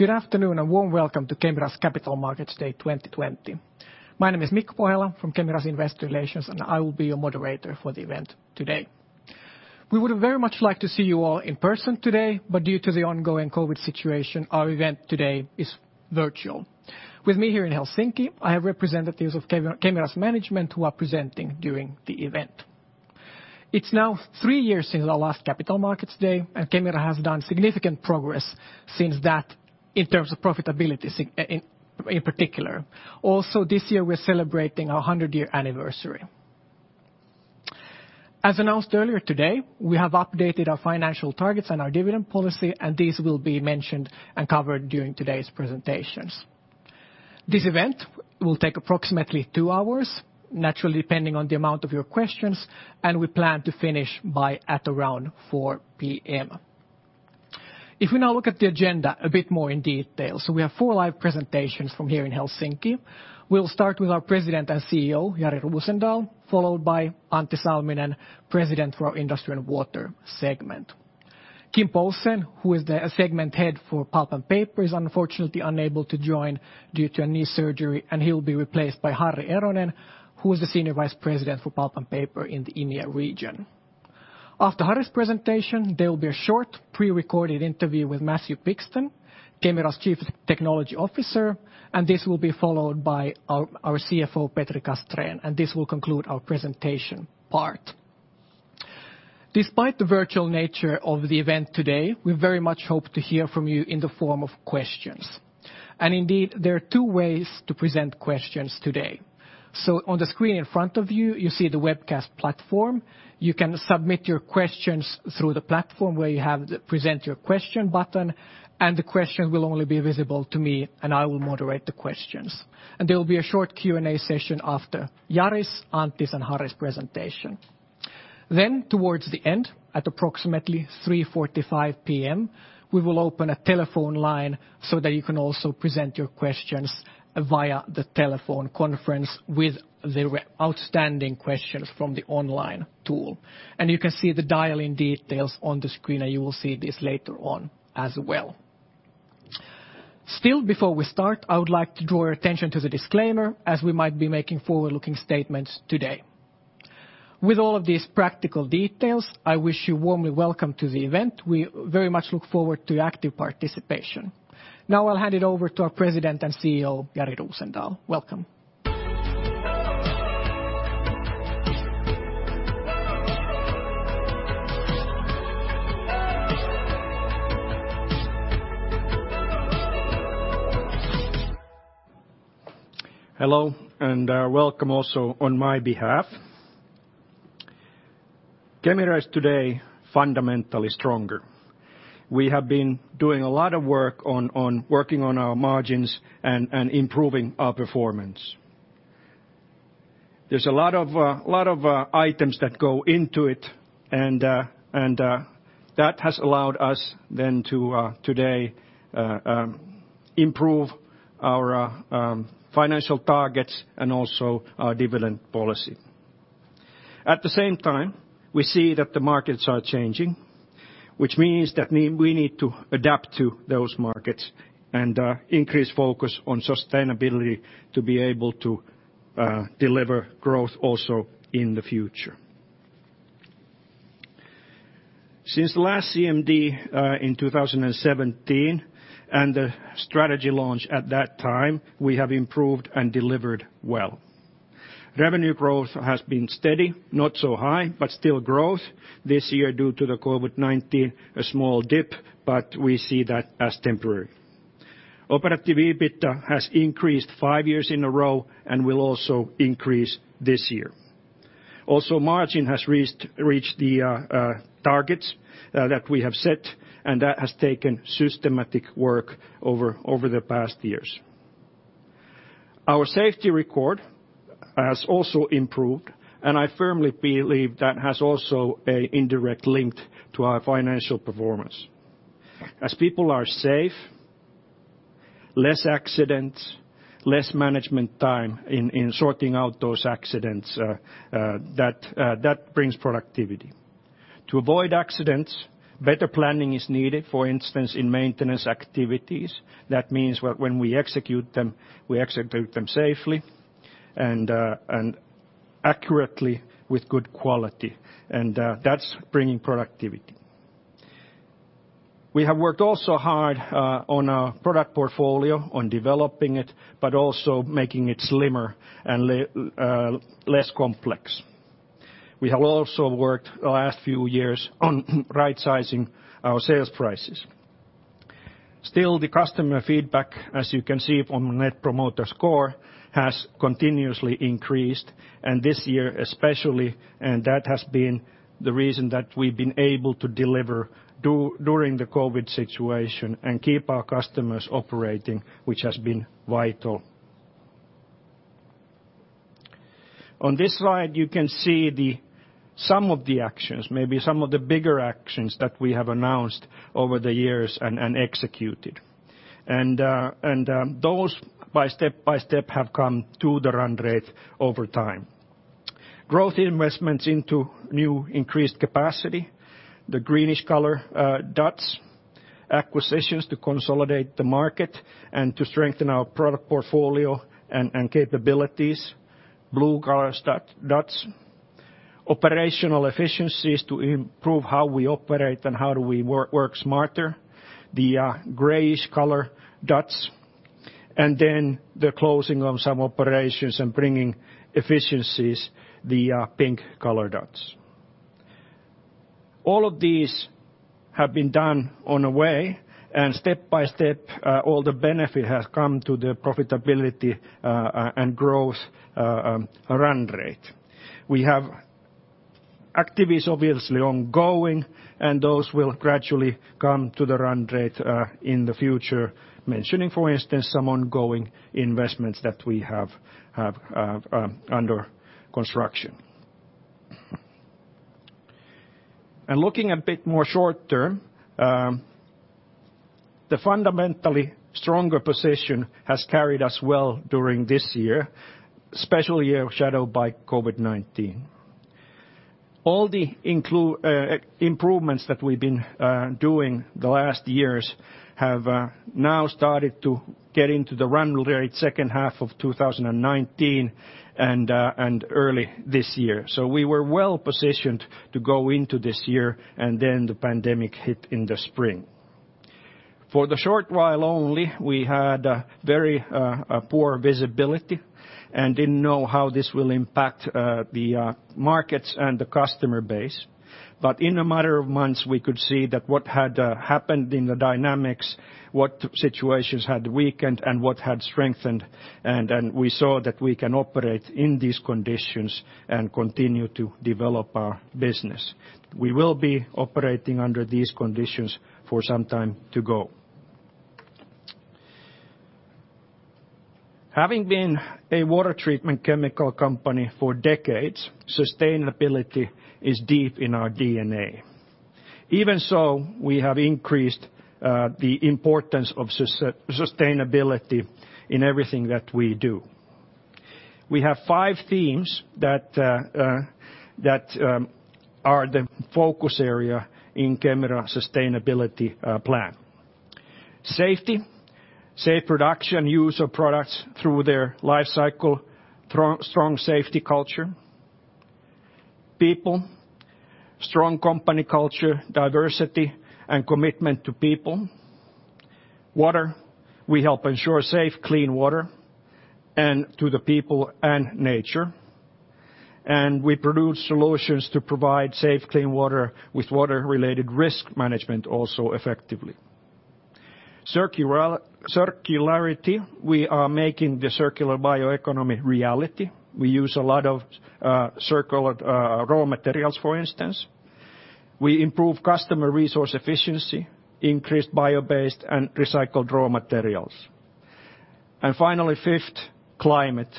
Good afternoon, and a warm welcome to Kemira's Capital Markets Day 2020. My name is Mikko Pohjala from Kemira's investor relations, and I will be your moderator for the event today. We would very much like to see you all in person today, but due to the ongoing COVID situation, our event today is virtual. With me here in Helsinki, I have representatives of Kemira's management who are presenting during the event. It's now three years since our last Capital Markets Day, and Kemira has done significant progress since that, in terms of profitability in particular. Also this year, we're celebrating our 100-year anniversary. As announced earlier today, we have updated our financial targets and our dividend policy, and these will be mentioned and covered during today's presentations. This event will take approximately two hours, naturally depending on the amount of your questions, and we plan to finish by at around 4:00 P.M. We have four live presentations from here in Helsinki. We'll start with our President and CEO, Jari Rosendal, followed by Antti Salminen, President for our Industry and Water segment. Kim Poulsen, who is the segment head for Pulp and Paper, is unfortunately unable to join due to a knee surgery, and he'll be replaced by Harri Eronen, who is the Senior Vice President for Pulp and Paper in the EMEA region. After Harri's presentation, there will be a short, pre-recorded interview with Matthew Pixton, Kemira's Chief Technology Officer, and this will be followed by our CFO, Petri Castrén, and this will conclude our presentation part. Despite the virtual nature of the event today, we very much hope to hear from you in the form of questions. Indeed, there are two ways to present questions today. On the screen in front of you see the webcast platform. You can submit your questions through the platform where you have the Present Your Question button, and the question will only be visible to me, and I will moderate the questions. There will be a short Q&A session after Jari's, Antti's, and Harri's presentation. Towards the end, at approximately 3:45 PM, we will open a telephone line so that you can also present your questions via the telephone conference with the outstanding questions from the online tool. You can see the dial-in details on the screen, and you will see this later on as well. Still, before we start, I would like to draw your attention to the disclaimer, as we might be making forward-looking statements today. With all of these practical details, I wish you warmly welcome to the event. We very much look forward to your active participation. Now I'll hand it over to our President and CEO, Jari Rosendal. Welcome. Hello, welcome also on my behalf. Kemira is today fundamentally stronger. We have been doing a lot of work on working on our margins and improving our performance. There's a lot of items that go into it, and that has allowed us then to today improve our financial targets and also our dividend policy. At the same time, we see that the markets are changing, which means that we need to adapt to those markets and increase focus on sustainability to be able to deliver growth also in the future. Since the last CMD, in 2017, and the strategy launch at that time, we have improved and delivered well. Revenue growth has been steady, not so high, but still growth. This year, due to the COVID-19, a small dip, but we see that as temporary. Operative EBITDA has increased five years in a row and will also increase this year. Also, margin has reached the targets that we have set, and that has taken systematic work over the past years. Our safety record has also improved, and I firmly believe that has also a indirect link to our financial performance. As people are safe, less accidents, less management time in sorting out those accidents, that brings productivity. To avoid accidents, better planning is needed, for instance, in maintenance activities. That means when we execute them, we execute them safely and accurately with good quality, and that's bringing productivity. We have worked also hard on our product portfolio, on developing it, but also making it slimmer and less complex. We have also worked the last few years on right-sizing our sales prices. Still, the customer feedback, as you can see on the Net Promoter Score, has continuously increased, and this year especially, and that has been the reason that we've been able to deliver during the COVID situation and keep our customers operating, which has been vital. On this slide, you can see some of the actions, maybe some of the bigger actions that we have announced over the years and executed. Those by step by step have come to the run rate over time. Growth investments into new increased capacity, the greenish color dots. Acquisitions to consolidate the market and to strengthen our product portfolio and capabilities, blue color dots. Operational efficiencies to improve how we operate and how do we work smarter, the grayish color dots. The closing of some operations and bringing efficiencies, the pink color dots. All of these have been done on a way, and step by step, all the benefit has come to the profitability and growth run rate. We have activities obviously ongoing, and those will gradually come to the run rate in the future. Mentioning, for instance, some ongoing investments that we have under construction. Looking a bit more short-term, the fundamentally stronger position has carried us well during this year, special year shadowed by COVID-19. All the improvements that we've been doing the last years have now started to get into the run rate second half of 2019 and early this year. We were well-positioned to go into this year, and then the pandemic hit in the spring. For the short while only, we had very poor visibility and didn't know how this will impact the markets and the customer base. In a matter of months, we could see that what had happened in the dynamics, what situations had weakened, and what had strengthened, and we saw that we can operate in these conditions and continue to develop our business. We will be operating under these conditions for some time to go. Having been a water treatment chemical company for decades, sustainability is deep in our DNA. Even so, we have increased the importance of sustainability in everything that we do. We have five themes that are the focus area in Kemira sustainability plan. Safety, safe production, use of products through their life cycle, strong safety culture. People, strong company culture, diversity, and commitment to people. Water, we help ensure safe, clean water and to the people and nature. We produce solutions to provide safe, clean water with water-related risk management also effectively. Circularity, we are making the circular bio-economic reality. We use a lot of circular raw materials, for instance. We improve customer resource efficiency, increased bio-based and recycled raw materials. Finally, fifth, climate,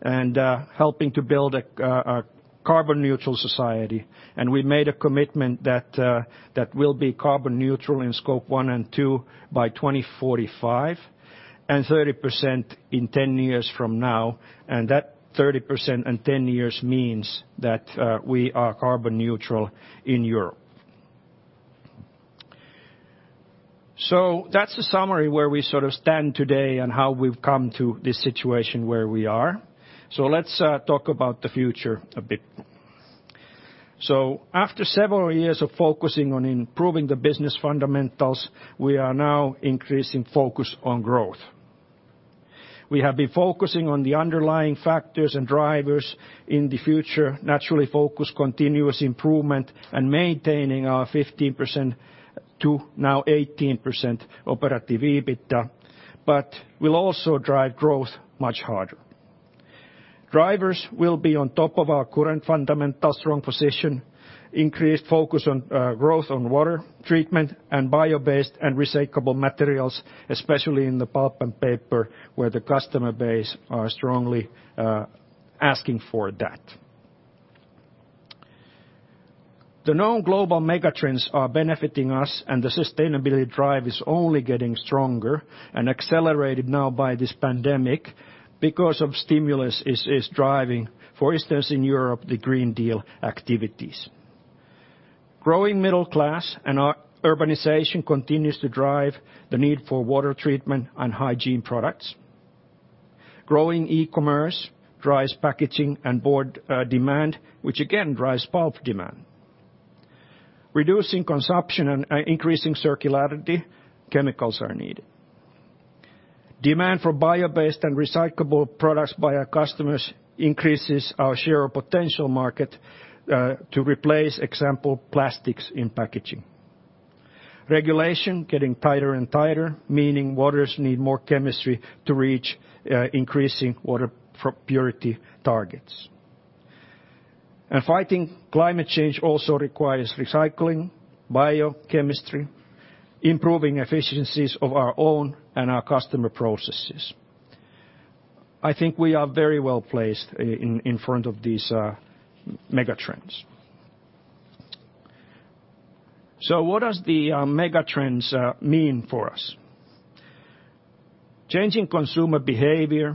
and helping to build a carbon-neutral society. We made a commitment that we'll be carbon neutral in Scope 1 and 2 by 2045, and 30% in 10 years from now. That 30% in 10 years means that we are carbon neutral in Europe. That's a summary where we sort of stand today and how we've come to this situation where we are. Let's talk about the future a bit. After several years of focusing on improving the business fundamentals, we are now increasing focus on growth. We have been focusing on the underlying factors and drivers in the future, naturally focused continuous improvement and maintaining our 15% to now 18% Operative EBITDA. We'll also drive growth much harder. Drivers will be on top of our current fundamental strong position, increased focus on growth on water treatment and bio-based and recyclable materials, especially in the Pulp & Paper, where the customer base are strongly asking for that. The known global mega trends are benefiting us. The sustainability drive is only getting stronger and accelerated now by this pandemic because of stimulus is driving, for instance, in Europe, the Green Deal activities. Growing middle class and urbanization continues to drive the need for water treatment and hygiene products. Growing e-commerce drives packaging and board demand, which again drives pulp demand. Reducing consumption and increasing circularity, chemicals are needed. Demand for bio-based and recyclable products by our customers increases our share of potential market to replace, example, plastics in packaging. Regulation is getting tighter and tighter, meaning waters need more chemistry to reach increasing water purity targets. Fighting climate change also requires recycling, biochemistry, improving efficiencies of our own and our customer processes. I think we are very well-placed in front of these mega trends. What does the megatrends mean for us? Changing consumer behavior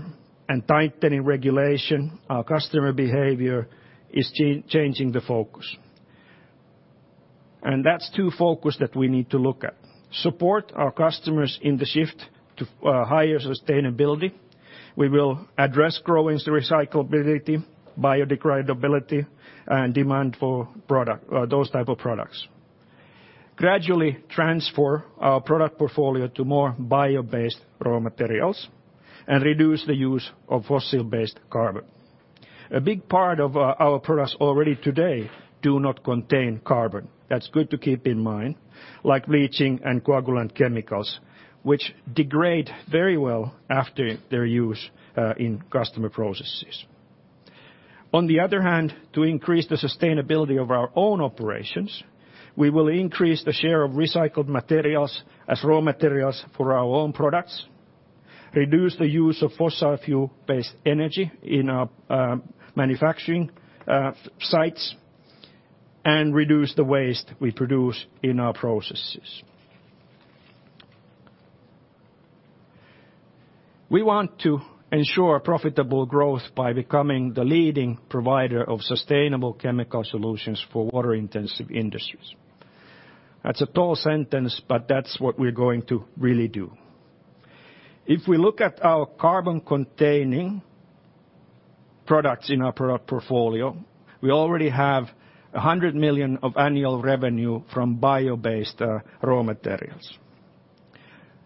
and tightening regulation. Customer behavior is changing the focus. That's two focus that we need to look at. Support our customers in the shift to higher sustainability. We will address growing recyclability, biodegradability, and demand for those type of products. Gradually transfer our product portfolio to more bio-based raw materials, and reduce the use of fossil-based carbon. A big part of our products already today do not contain carbon. That's good to keep in mind, like bleaching and coagulant chemicals, which degrade very well after their use, in customer processes. On the other hand, to increase the sustainability of our own operations, we will increase the share of recycled materials as raw materials for our own products, reduce the use of fossil fuel-based energy in our manufacturing sites, and reduce the waste we produce in our processes. We want to ensure profitable growth by becoming the leading provider of sustainable chemical solutions for water intensive industries. That's a tall sentence, but that's what we're going to really do. If we look at our carbon-containing products in our product portfolio, we already have 100 million of annual revenue from bio-based raw materials.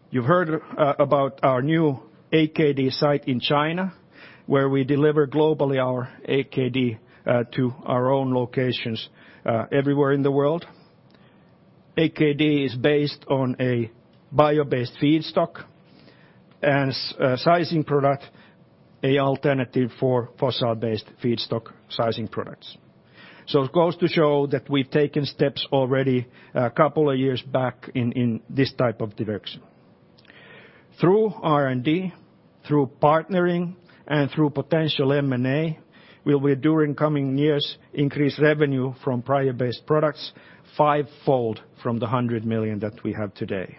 You've heard about our new AKD site in China, where we deliver globally our AKD to our own locations everywhere in the world. AKD is based on a bio-based feedstock and sizing product, a alternative for fossil-based feedstock sizing products. It goes to show that we've taken steps already a couple of years back in this type of direction. Through R&D, through partnering, and through potential M&A, we will during coming years increase revenue from bio-based products fivefold from the 100 million that we have today.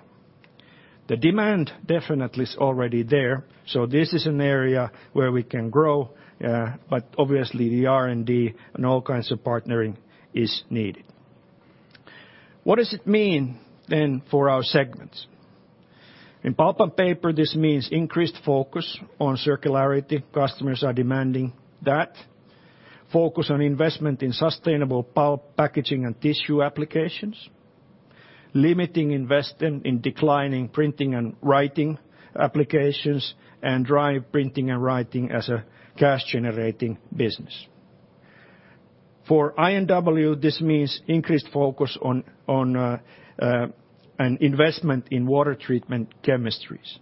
The demand definitely is already there, so this is an area where we can grow, but obviously the R&D and all kinds of partnering is needed. What does it mean for our segments? In Pulp & Paper, this means increased focus on circularity. Customers are demanding that. Focus on investment in sustainable pulp packaging and tissue applications, limiting investment in declining printing and writing applications, and drive printing and writing as a cash-generating business. For I&W, this means increased focus on investment in water treatment chemistries.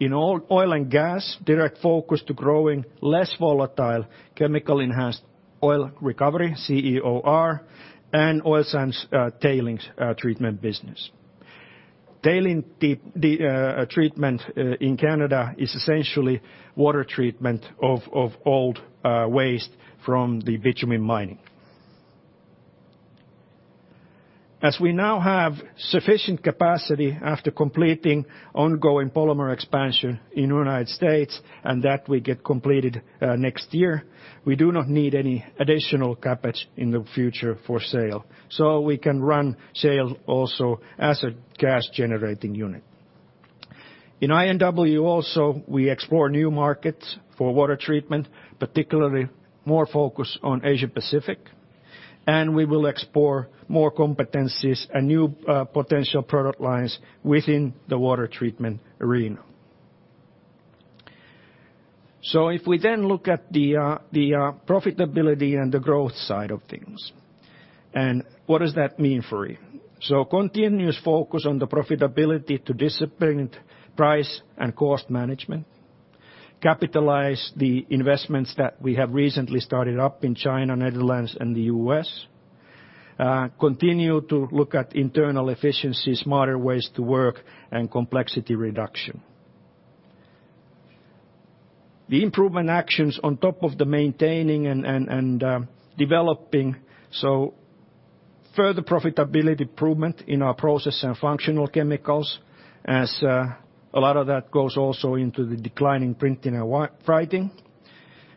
In oil and gas, direct focus to growing less volatile Chemical Enhanced Oil Recovery, CEOR, and oil sands tailings treatment business. Tailings treatment in Canada is essentially water treatment of old waste from the bitumen mining. As we now have sufficient capacity after completing ongoing polymer expansion in United States, and that we get completed next year, we do not need any additional capacity in the future for shale. We can run shale also as a cash-generating unit. In I&W also, we explore new markets for water treatment, particularly more focus on Asia Pacific, and we will explore more competencies and new potential product lines within the water treatment arena. If we then look at the profitability and the growth side of things, and what does that mean for you? Continuous focus on the profitability to disciplined price and cost management, capitalize the investments that we have recently started up in China, Netherlands, and the U.S., continue to look at internal efficiency, smarter ways to work, and complexity reduction. The improvement actions on top of the maintaining and developing, so further profitability improvement in our process and functional chemicals, as a lot of that goes also into the declining print and writing.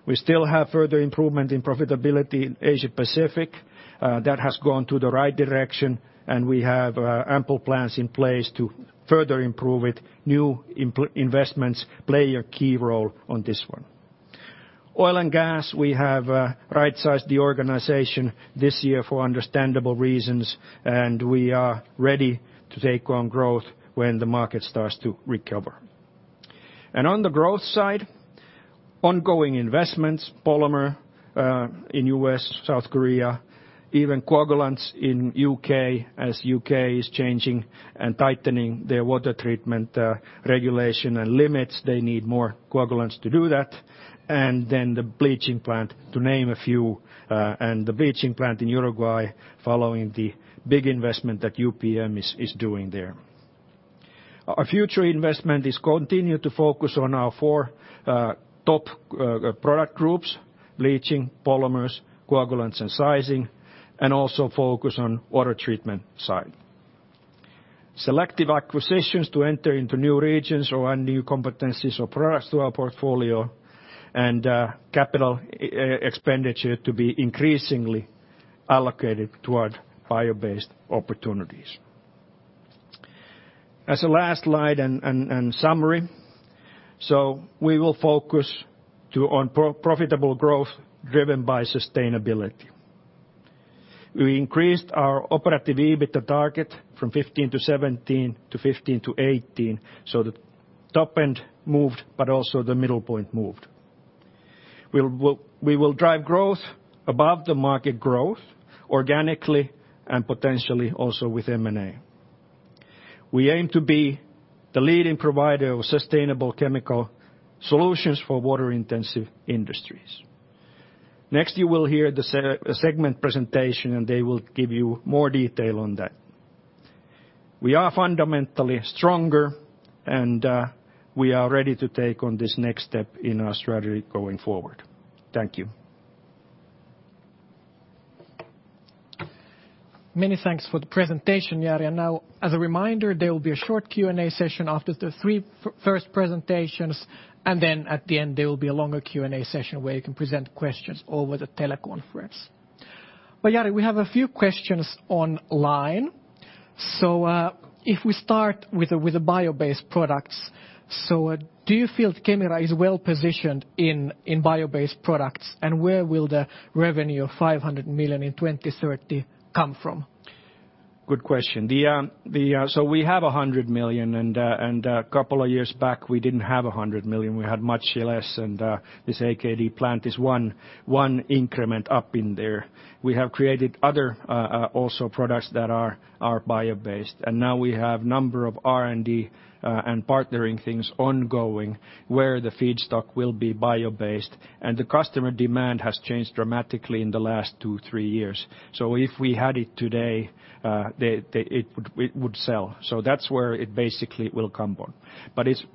We still have further improvement in profitability in Asia Pacific, that has gone to the right direction, and we have ample plans in place to further improve it. New investments play a key role on this one. Oil and gas, we have right-sized the organization this year for understandable reasons, and we are ready to take on growth when the market starts to recover. On the growth side, ongoing investments, polymer in U.S., South Korea, even coagulants in U.K., as U.K. is changing and tightening their water treatment regulation and limits. They need more coagulants to do that. The bleaching plant, to name a few, and the bleaching plant in Uruguay following the big investment that UPM is doing there. Our future investment is continue to focus on our four top product groups, bleaching, polymers, coagulants and sizing, and also focus on water treatment side. Selective acquisitions to enter into new regions or add new competencies or products to our portfolio, and capital expenditure to be increasingly allocated toward bio-based opportunities. As a last slide and summary, we will focus on profitable growth driven by sustainability. We increased our operative EBITDA target from 15%-17%, to 15%-18%, the top end moved, but also the middle point moved. We will drive growth above the market growth organically, and potentially also with M&A. We aim to be the leading provider of sustainable chemical solutions for water-intensive industries. Next, you will hear the segment presentation, and they will give you more detail on that. We are fundamentally stronger, and we are ready to take on this next step in our strategy going forward. Thank you. Many thanks for the presentation, Jari. Now, as a reminder, there will be a short Q&A session after the three first presentations, and then at the end there will be a longer Q&A session where you can present questions over the teleconference. Jari, we have a few questions online. If we start with the bio-based products. Do you feel Kemira is well-positioned in bio-based products, and where will the revenue of 500 million in 2030 come from? Good question. We have 100 million. A couple of years back, we didn't have 100 million, we had much less. This AKD plant is one increment up in there. We have created other also products that are bio-based. Now we have number of R&D and partnering things ongoing, where the feedstock will be bio-based. The customer demand has changed dramatically in the last two, three years. If we had it today, it would sell. That's where it basically will come from.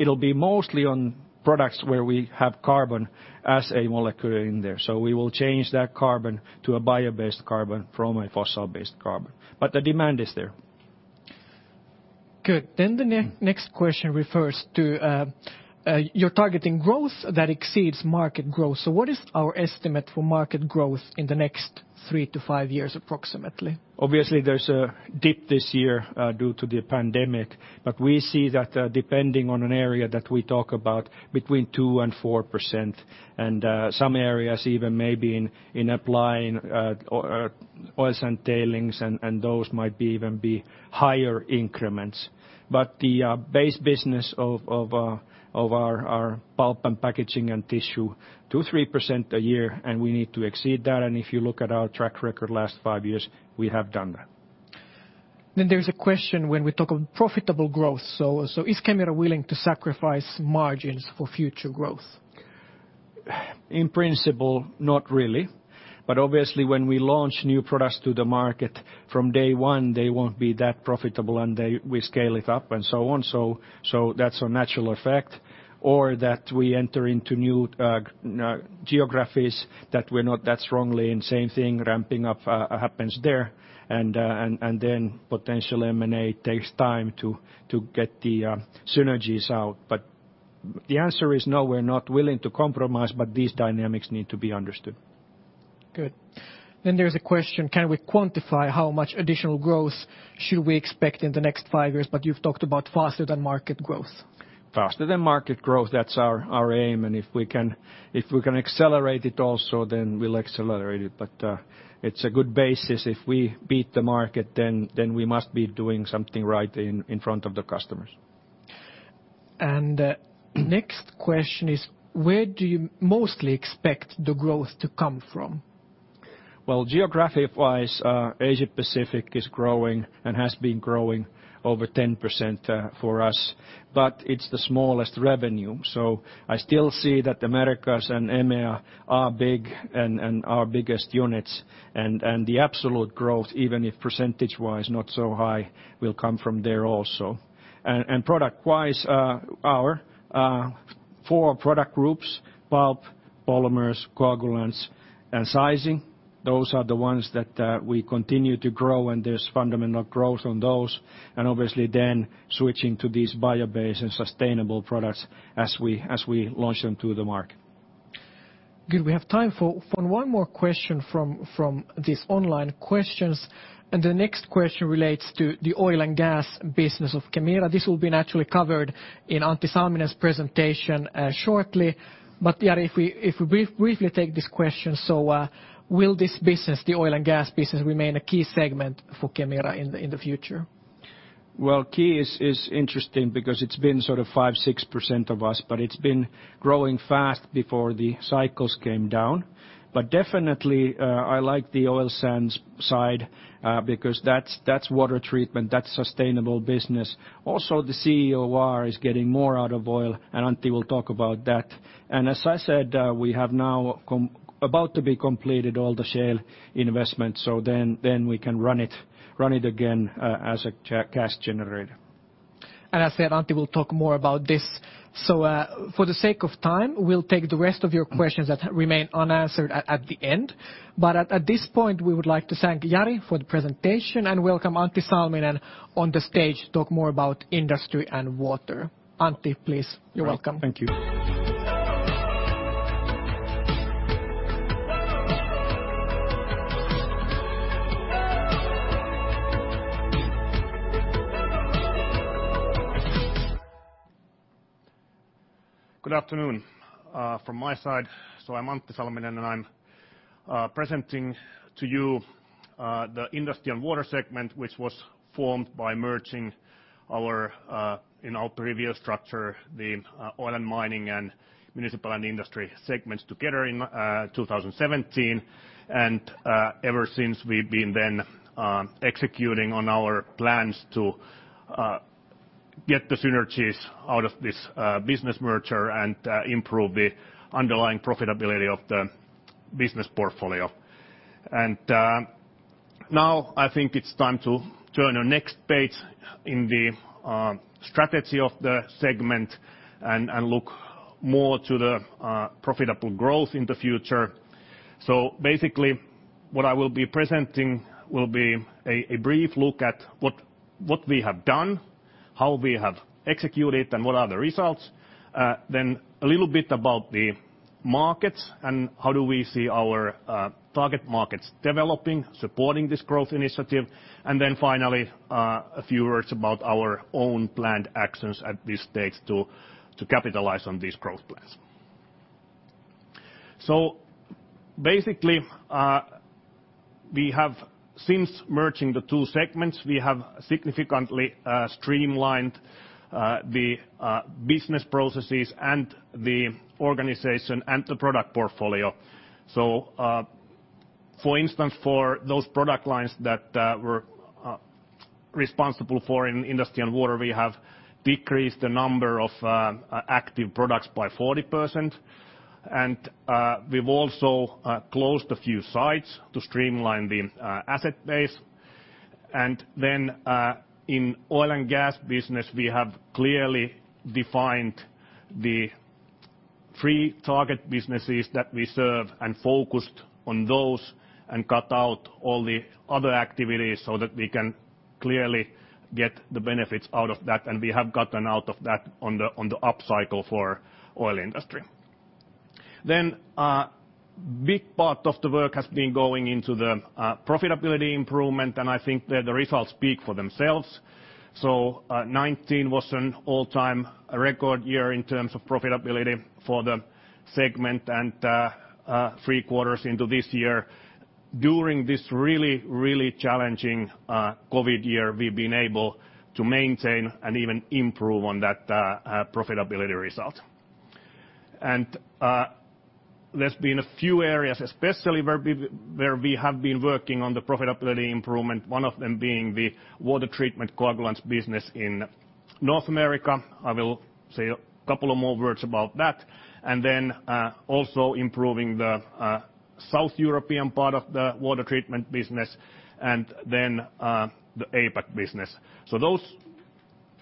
It'll be mostly on products where we have carbon as a molecule in there. We will change that carbon to a bio-based carbon from a fossil-based carbon. The demand is there. Good. The next question refers to you're targeting growth that exceeds market growth. What is our estimate for market growth in the next three to five years, approximately? Obviously, there's a dip this year due to the pandemic, but we see that depending on an area that we talk about, between 2% and 4%, and some areas even maybe in applying oils and tailings, and those might even be higher increments. The base business of our pulp and packaging and tissue, 2%, 3% a year, and we need to exceed that, and if you look at our track record last five years, we have done that. There's a question, when we talk of profitable growth, so is Kemira willing to sacrifice margins for future growth? In principle, not really. Obviously, when we launch new products to the market, from day one, they won't be that profitable, and we scale it up and so on. That's a natural effect. That we enter into new geographies that we're not that strongly in, same thing, ramping up happens there. Potential M&A takes time to get the synergies out. The answer is no, we're not willing to compromise. These dynamics need to be understood. Good. There's a question, can we quantify how much additional growth should we expect in the next five years? You've talked about faster than market growth. Faster than market growth, that's our aim. If we can accelerate it also, then we'll accelerate it. It's a good basis. If we beat the market, then we must be doing something right in front of the customers. Next question is, where do you mostly expect the growth to come from? Geography-wise, Asia-Pacific is growing and has been growing over 10% for us. It's the smallest revenue, so I still see that Americas and EMEA are big, and our biggest units, and the absolute growth, even if percentage-wise not so high, will come from there also. Product-wise, our four product groups, pulp, polymers, coagulants, and sizing, those are the ones that we continue to grow, and there's fundamental growth on those. Obviously then switching to these bio-based and sustainable products as we launch them to the market. Good. We have time for one more question from these online questions. The next question relates to the oil and gas business of Kemira. This will be naturally covered in Antti Salminen's presentation shortly. Jari, if we briefly take this question, will this business, the oil and gas business, remain a key segment for Kemira in the future? Key is interesting because it's been sort of 5%-6% of us, but it's been growing fast before the cycles came down. Definitely, I like the oil sands side, because that's water treatment, that's sustainable business. Also, the CEOR is getting more out of oil, and Antti will talk about that. As I said, we have now about to be completed all the shale investment, then we can run it again as a cash generator As I said, Antti will talk more about this. For the sake of time, we'll take the rest of your questions that remain unanswered at the end. At this point, we would like to thank Jari for the presentation, and welcome Antti Salminen on the stage to talk more about Industry and Water. Antti, please. You're welcome. Thank you. Good afternoon from my side. I'm Antti Salminen, and I'm presenting to you the Industry & Water segment, which was formed by merging our, in our previous structure, the Oil & Mining, and Municipal & Industry segments together in 2017. Ever since, we've been then executing on our plans to get the synergies out of this business merger and improve the underlying profitability of the business portfolio. Now I think it's time to turn the next page in the strategy of the segment and look more to the profitable growth in the future. Basically, what I will be presenting will be a brief look at what we have done, how we have executed, and what are the results. A little bit about the markets and how do we see our target markets developing, supporting this growth initiative, and then finally, a few words about our own planned actions at this stage to capitalize on these growth plans. Basically, we have since merging the two segments, we have significantly streamlined the business processes and the organization and the product portfolio. For instance, for those product lines that were responsible for in Industry & Water, we have decreased the number of active products by 40%, and we've also closed a few sites to streamline the asset base. In oil and gas business, we have clearly defined the three target businesses that we serve and focused on those and cut out all the other activities so that we can clearly get the benefits out of that. We have gotten out of that on the upcycle for oil industry. A big part of the work has been going into the profitability improvement, and I think that the results speak for themselves. 2019 was an all-time record year in terms of profitability for the segment and three quarters into this year. During this really, really challenging COVID-19 year, we've been able to maintain and even improve on that profitability result. There's been a few areas especially where we have been working on the profitability improvement, one of them being the water treatment coagulants business in North America. I will say a couple of more words about that, and then also improving the South European part of the water treatment business and then the APAC business. Those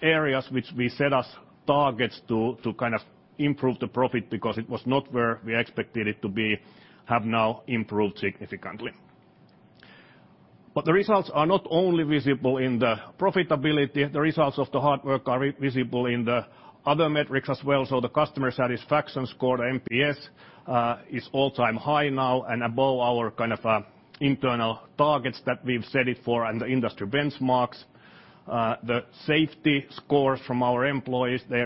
areas which we set as targets to kind of improve the profit because it was not where we expected it to be, have now improved significantly. The results are not only visible in the profitability. The results of the hard work are visible in the other metrics as well. The customer satisfaction score, the NPS, is all-time high now and above our kind of internal targets that we've set it for and the industry benchmarks. The safety scores from our employees, they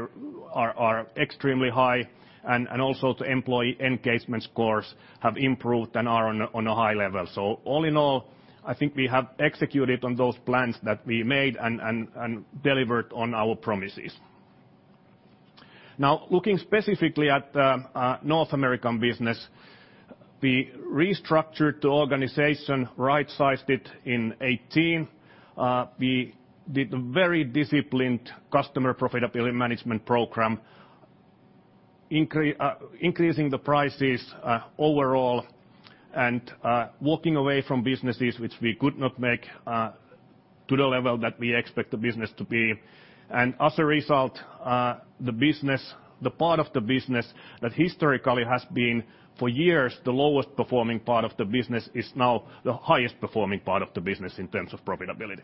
are extremely high, and also the employee engagement scores have improved and are on a high level. All in all, I think we have executed on those plans that we made and delivered on our promises. Looking specifically at the North American business, we restructured the organization, right-sized it in 2018. We did a very disciplined customer profitability management program, increasing the prices overall and walking away from businesses which we could not make to the level that we expect the business to be. As a result, the part of the business that historically has been for years the lowest-performing part of the business is now the highest-performing part of the business in terms of profitability.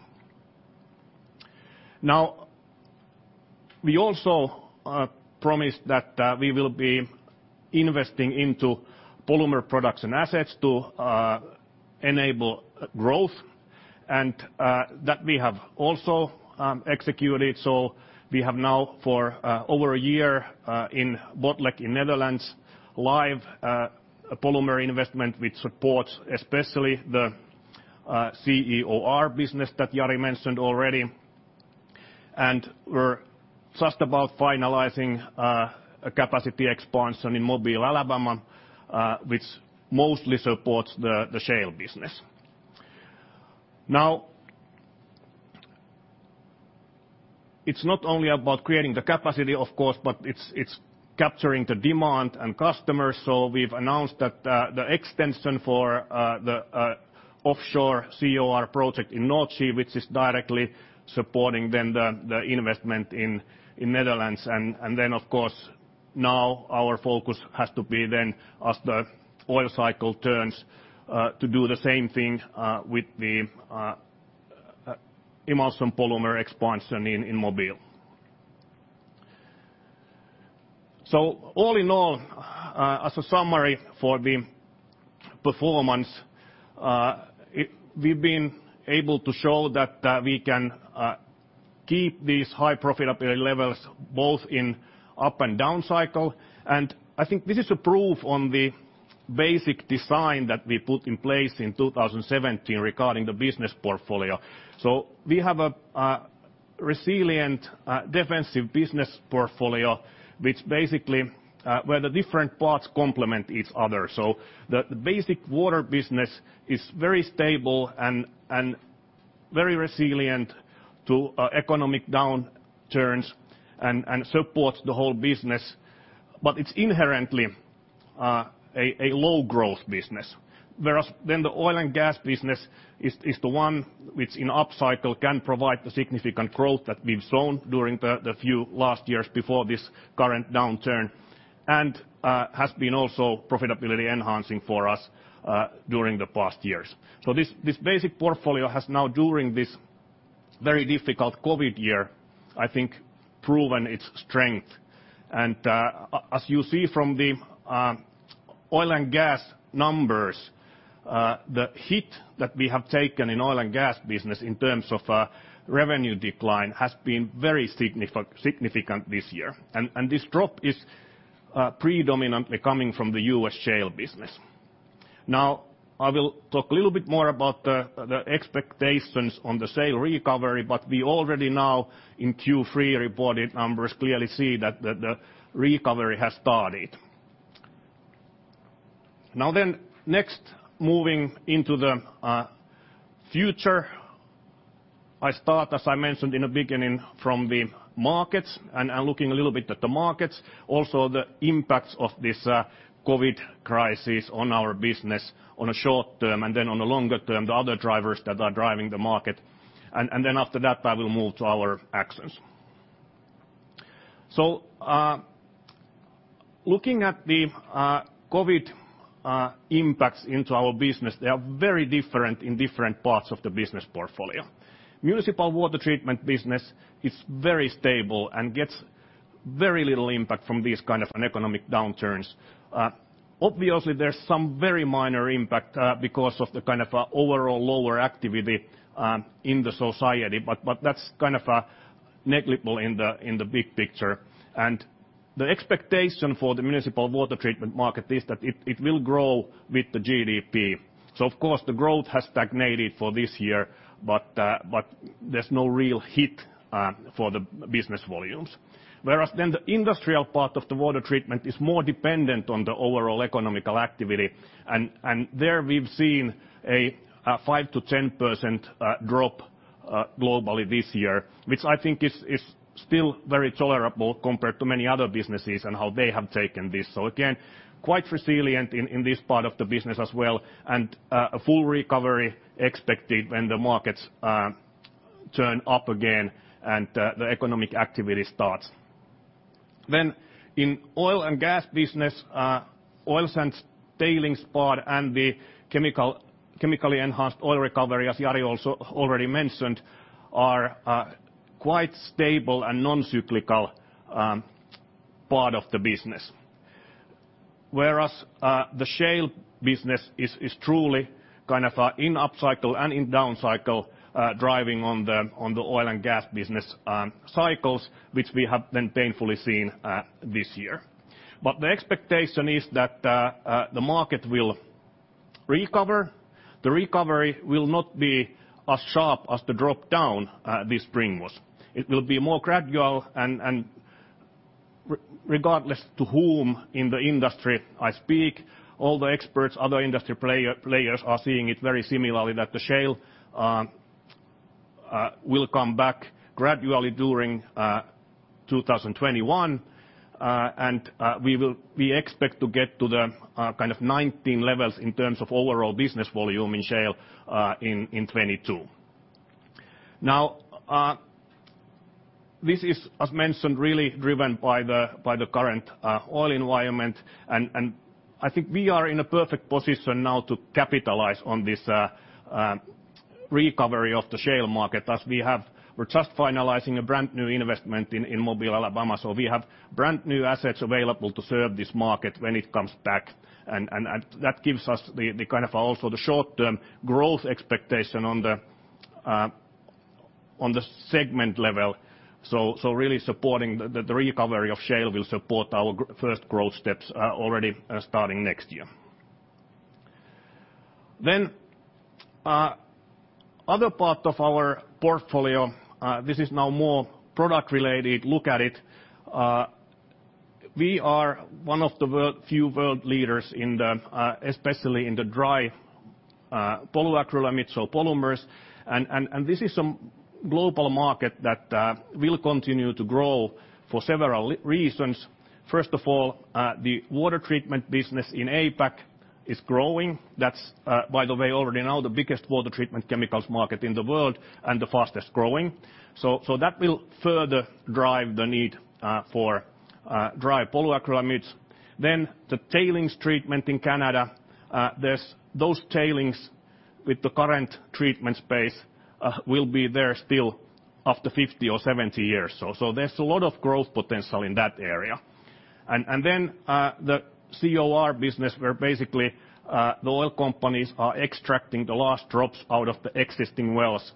We also promised that we will be investing into polymer products and assets to enable growth, and that we have also executed. We have now for over a year in Botlek in Netherlands, live polymer investment which supports especially the CEOR business that Jari mentioned already. We are just about finalizing a capacity expansion in Mobile, Alabama, which mostly supports the shale business. It is not only about creating the capacity of course, but it is capturing the demand and customers. We've announced that the extension for the offshore CEOR project in North Sea, which is directly supporting the investment in Netherlands. Now our focus has to be, as the oil cycle turns, to do the same thing with the emulsion polymer expansion in Mobile. All in all, as a summary for the performance, we've been able to show that we can keep these high profitability levels both in up and down cycle. I think this is a proof on the basic design that we put in place in 2017 regarding the business portfolio. We have a resilient defensive business portfolio, where the different parts complement each other. The basic water business is very stable and very resilient to economic downturns and supports the whole business. It's inherently a low growth business. The oil and gas business is the one which, in upcycle, can provide the significant growth that we've shown during the few last years before this current downturn, and has been also profitability enhancing for us during the past years. This basic portfolio has now during this very difficult COVID year, I think proven its strength. As you see from the oil and gas numbers, the hit that we have taken in oil and gas business in terms of revenue decline has been very significant this year. This drop is predominantly coming from the U.S. shale business. I will talk a little bit more about the expectations on the shale recovery, but we already now in Q3 reported numbers clearly see that the recovery has started. Next, moving into the future, I start, as I mentioned in the beginning, from the markets, and looking a little bit at the markets, also the impacts of this COVID crisis on our business on a short term, and then on a longer term, the other drivers that are driving the market. After that, I will move to our actions. Looking at the COVID impacts into our business, they are very different in different parts of the business portfolio. Municipal water treatment business is very stable and gets very little impact from these kind of an economic downturns. Obviously, there's some very minor impact because of the overall lower activity in the society, but that's negligible in the big picture. The expectation for the municipal water treatment market is that it will grow with the GDP. Of course, the growth has stagnated for this year, but there's no real hit for the business volumes. Whereas then the industrial part of the water treatment is more dependent on the overall economical activity, and there we've seen a 5%-10% drop globally this year, which I think is still very tolerable compared to many other businesses and how they have taken this. Again, quite resilient in this part of the business as well, and a full recovery expected when the markets turn up again, and the economic activity starts. In oil and gas business, oil sands, tailings part, and the Chemical Enhanced Oil Recovery, as Jari also already mentioned, are quite stable and non-cyclical part of the business. The shale business is truly in upcycle and in down cycle, driving on the oil and gas business cycles, which we have then painfully seen this year. The expectation is that the market will recover. The recovery will not be as sharp as the drop down this spring was. It will be more gradual and regardless to whom in the industry I speak, all the experts, other industry players are seeing it very similarly that the shale will come back gradually during 2021. We expect to get to the kind of 19 levels in terms of overall business volume in shale in 2022. Now, this is, as mentioned, really driven by the current oil environment. I think we are in a perfect position now to capitalize on this recovery of the shale market, as we're just finalizing a brand new investment in Mobile, Alabama. We have brand new assets available to serve this market when it comes back, and that gives us the short-term growth expectation on the segment level. The recovery of shale will support our first growth steps already starting next year. Other part of our portfolio, this is now more product-related look at it. We are one of the few world leaders especially in the dry polyacrylamide, so polymers. This is some global market that will continue to grow for several reasons. First of all, the water treatment business in APAC is growing. That's, by the way, already now the biggest water treatment chemicals market in the world and the fastest growing. That will further drive the need for dry polyacrylamides. The tailings treatment in Canada, those tailings with the current treatment space will be there still after 50 or 70 years or so. There's a lot of growth potential in that area. The CEOR business, where basically the oil companies are extracting the last drops out of the existing wells.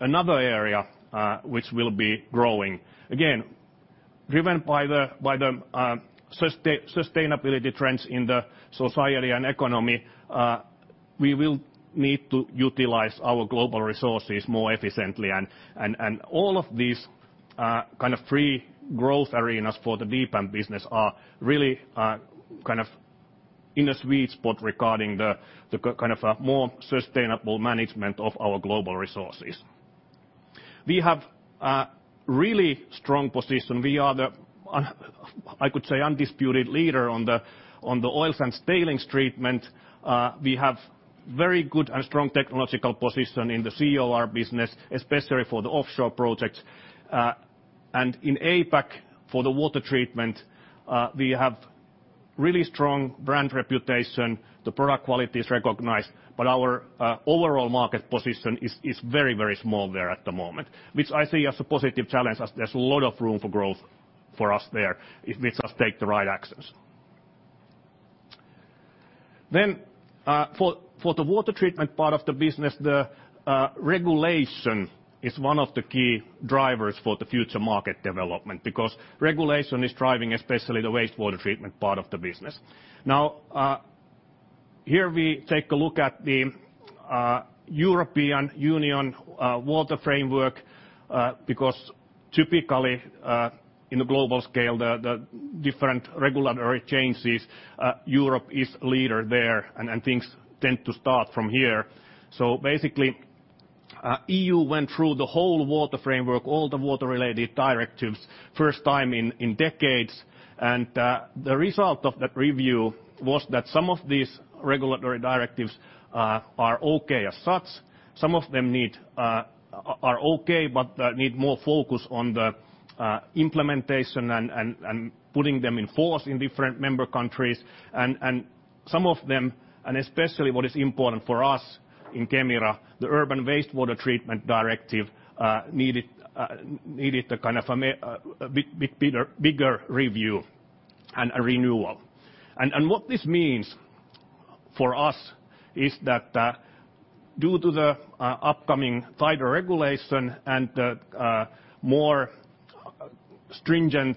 Another area which will be growing. Again, driven by the sustainability trends in the society and economy, we will need to utilize our global resources more efficiently. All of these three growth arenas for the DPAM business are really in a sweet spot regarding the more sustainable management of our global resources. We have a really strong position. We are the, I could say, undisputed leader on the oil sands tailings treatment. We have very good and strong technological position in the CEOR business, especially for the offshore projects. In APAC, for the water treatment, we have really strong brand reputation. The product quality is recognized, but our overall market position is very, very small there at the moment, which I see as a positive challenge as there's a lot of room for growth for us there if we just take the right actions. For the water treatment part of the business, the regulation is one of the key drivers for the future market development, because regulation is driving especially the wastewater treatment part of the business. Now, here we take a look at the European Union Water Framework, because typically, in the global scale, the different regulatory changes, Europe is leader there, and things tend to start from here. Basically, EU went through the whole water framework, all the water-related directives, first time in decades. The result of that review was that some of these regulatory directives are okay as such. Some of them are okay, but need more focus on the implementation and putting them in force in different member countries. Some of them, and especially what is important for us in Kemira, the Urban Waste Water Treatment Directive needed a bigger review and a renewal. What this means for us is that due to the upcoming tighter regulation and the more stringent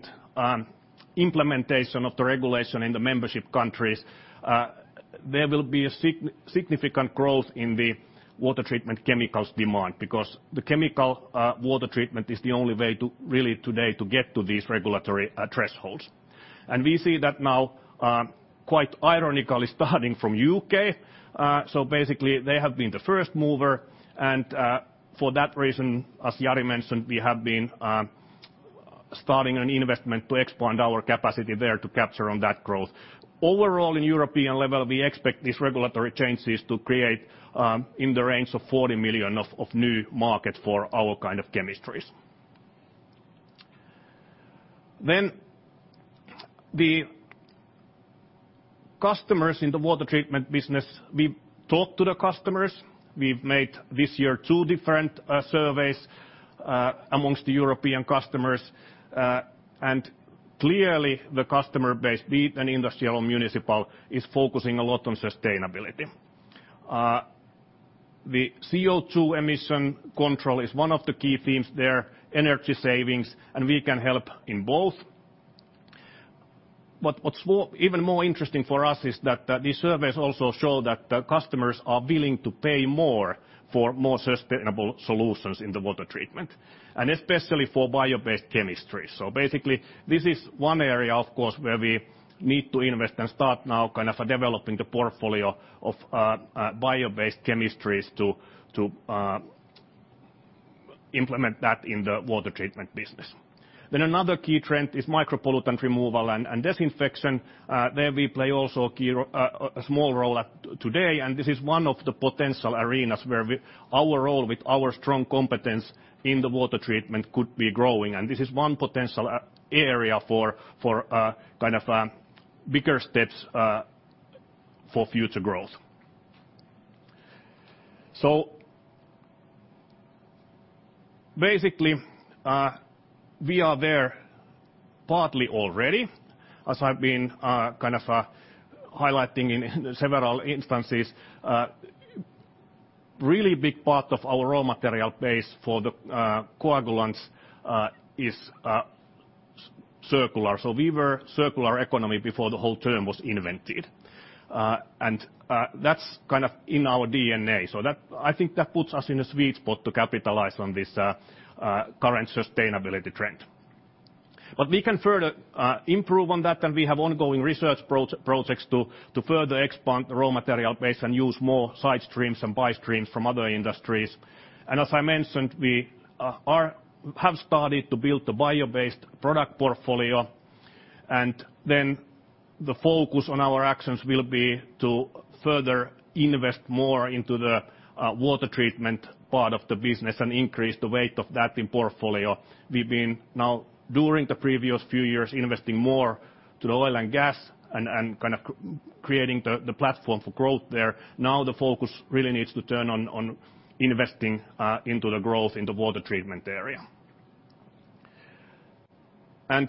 implementation of the regulation in the membership countries, there will be a significant growth in the water treatment chemicals demand, because the chemical water treatment is the only way to really today to get to these regulatory thresholds. We see that now quite ironically, starting from U.K. Basically, they have been the first mover, and for that reason, as Jari mentioned, we have been starting an investment to expand our capacity there to capture on that growth. In European level, we expect these regulatory changes to create in the range of 40 million of new market for our kind of chemistries. The customers in the water treatment business, we've talked to the customers, we've made this year two different surveys amongst the European customers. Clearly the customer base, be it an industrial or municipal, is focusing a lot on sustainability. The CO2 emission control is one of the key themes there, energy savings, we can help in both. What's even more interesting for us is that these surveys also show that the customers are willing to pay more for more sustainable solutions in the water treatment, and especially for bio-based chemistry. Basically, this is one area, of course, where we need to invest and start now developing the portfolio of bio-based chemistries to implement that in the water treatment business. Another key trend is micropollutant removal and disinfection. There we play also a small role today, and this is one of the potential arenas where our role with our strong competence in the water treatment could be growing. This is one potential area for bigger steps for future growth. Basically, we are there partly already, as I've been highlighting in several instances. A really big part of our raw material base for the coagulants is circular. We were circular economy before the whole term was invented. That's in our DNA. I think that puts us in a sweet spot to capitalize on this current sustainability trend. We can further improve on that, and we have ongoing research projects to further expand the raw material base and use more side streams and by streams from other industries. As I mentioned, we have started to build the bio-based product portfolio. The focus on our actions will be to further invest more into the water treatment part of the business and increase the weight of that in portfolio. We've been now, during the previous few years, investing more to the oil and gas and kind of creating the platform for growth there. Now the focus really needs to turn on investing into the growth in the water treatment area. As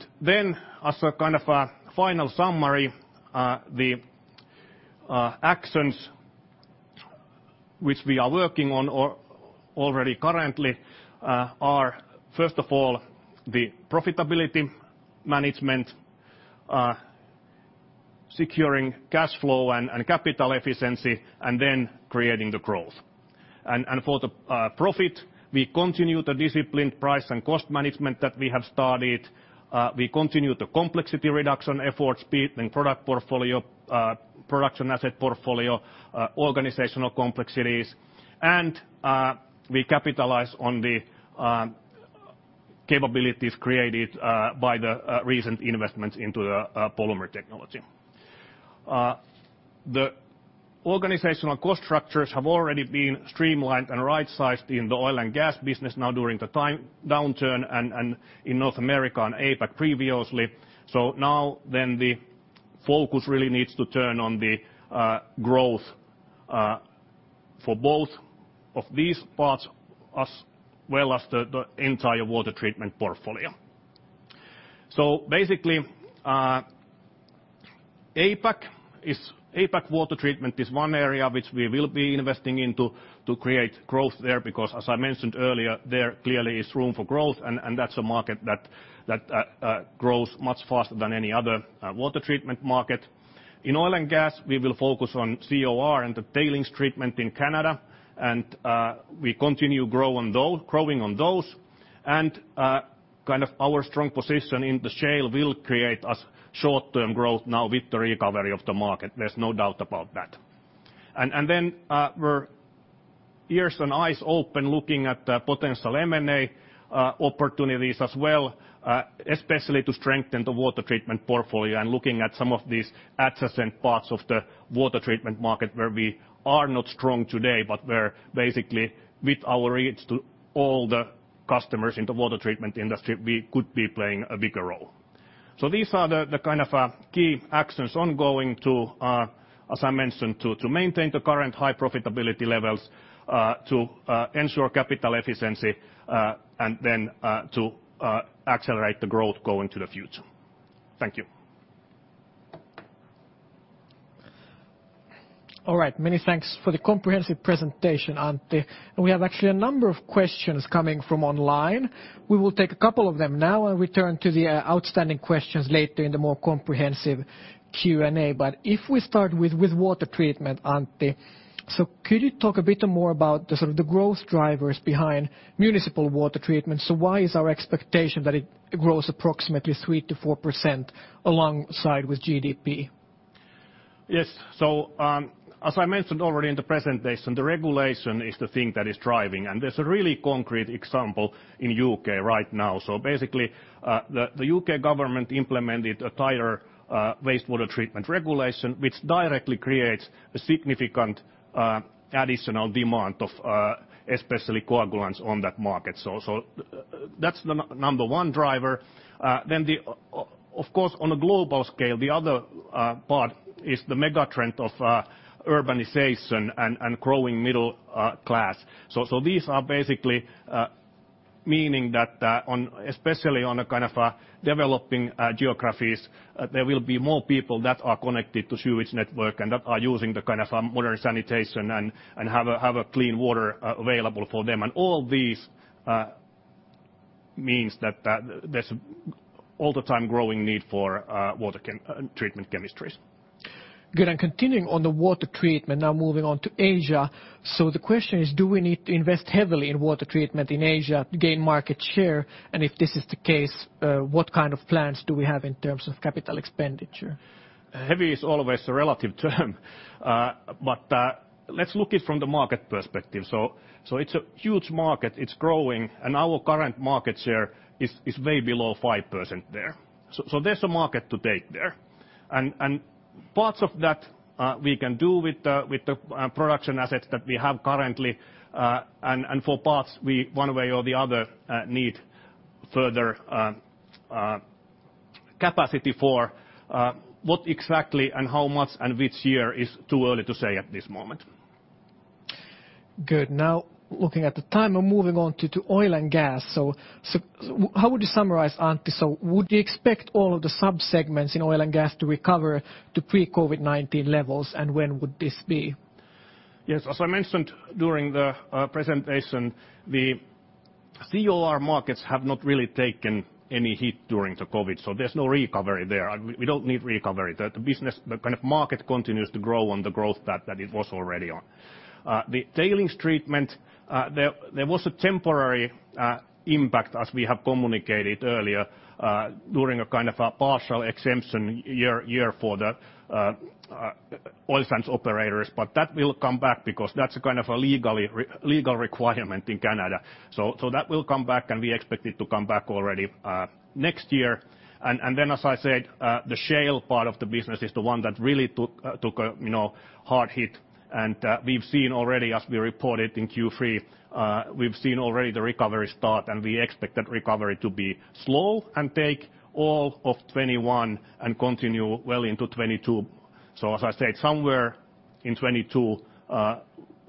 a kind of a final summary, the actions which we are working on or already currently are, first of all, the profitability management, securing cash flow and capital efficiency, and then creating the growth. For the profit, we continue the disciplined price and cost management that we have started. We continue the complexity reduction efforts, be it in product portfolio, production asset portfolio, organizational complexities, and we capitalize on the capabilities created by the recent investments into the polymer technology. The organizational cost structures have already been streamlined and right-sized in the oil and gas business now during the time downturn and in North America and APAC previously. Now then the focus really needs to turn on the growth for both of these parts as well as the entire water treatment portfolio. Basically, APAC water treatment is one area which we will be investing into to create growth there because, as I mentioned earlier, there clearly is room for growth, and that's a market that grows much faster than any other water treatment market. In oil and gas, we will focus on CEOR and the tailings treatment in Canada, we continue growing on those. Kind of our strong position in the shale will create a short-term growth now with the recovery of the market. There's no doubt about that. We're ears and eyes open looking at potential M&A opportunities as well, especially to strengthen the water treatment portfolio and looking at some of these adjacent parts of the water treatment market where we are not strong today, but where basically with our reach to all the customers in the water treatment industry, we could be playing a bigger role. These are the kind of key actions ongoing to, as I mentioned, to maintain the current high profitability levels, to ensure capital efficiency, and then to accelerate the growth going to the future. Thank you. All right. Many thanks for the comprehensive presentation, Antti. We have actually a number of questions coming from online. We will take a couple of them now and return to the outstanding questions later in the more comprehensive Q&A. If we start with water treatment, Antti, could you talk a bit more about the sort of the growth drivers behind municipal water treatment? Why is our expectation that it grows approximately 3%-4% alongside with GDP? Yes. As I mentioned already in the presentation, the regulation is the thing that is driving, and there is a really concrete example in U.K. right now. Basically, the U.K. government implemented a tighter wastewater treatment regulation, which directly creates a significant additional demand of especially coagulants on that market. That's the number one driver. The, of course, on a global scale, the other part is the megatrend of urbanization and growing middle class. These are basically meaning that on, especially on a kind of developing geographies, there will be more people that are connected to sewage network and that are using the kind of modern sanitation and have a clean water available for them. All this means that there is all the time growing need for water treatment chemistries. Good. Continuing on the water treatment, now moving on to Asia. The question is: Do we need to invest heavily in water treatment in Asia to gain market share? If this is the case, what kind of plans do we have in terms of capital expenditure? Heavy is always a relative term but let's look it from the market perspective. It's a huge market. It's growing, and our current market share is way below 5% there. There's a market to take there. Parts of that we can do with the production assets that we have currently, and for parts we, one way or the other, need further capacity for what exactly and how much and which year is too early to say at this moment. Good. Now looking at the time and moving on to oil and gas. How would you summarize, Antti? Would you expect all of the subsegments in oil and gas to recover to pre-COVID-19 levels, and when would this be? Yes, as I mentioned during the presentation, the CEOR markets have not really taken any hit during the COVID-19. There's no recovery there. We don't need recovery. The kind of market continues to grow on the growth that it was already on. The tailings treatment, there was a temporary impact, as we have communicated earlier, during a kind of a partial exemption year for the oil sands operators. That will come back because that's a kind of a legal requirement in Canada. That will come back. We expect it to come back already next year. Then as I said, the shale part of the business is the one that really took a hard hit. We've seen already, as we reported in Q3, we've seen already the recovery start, and we expect that recovery to be slow and take all of 2021 and continue well into 2022. As I said, somewhere in 2022,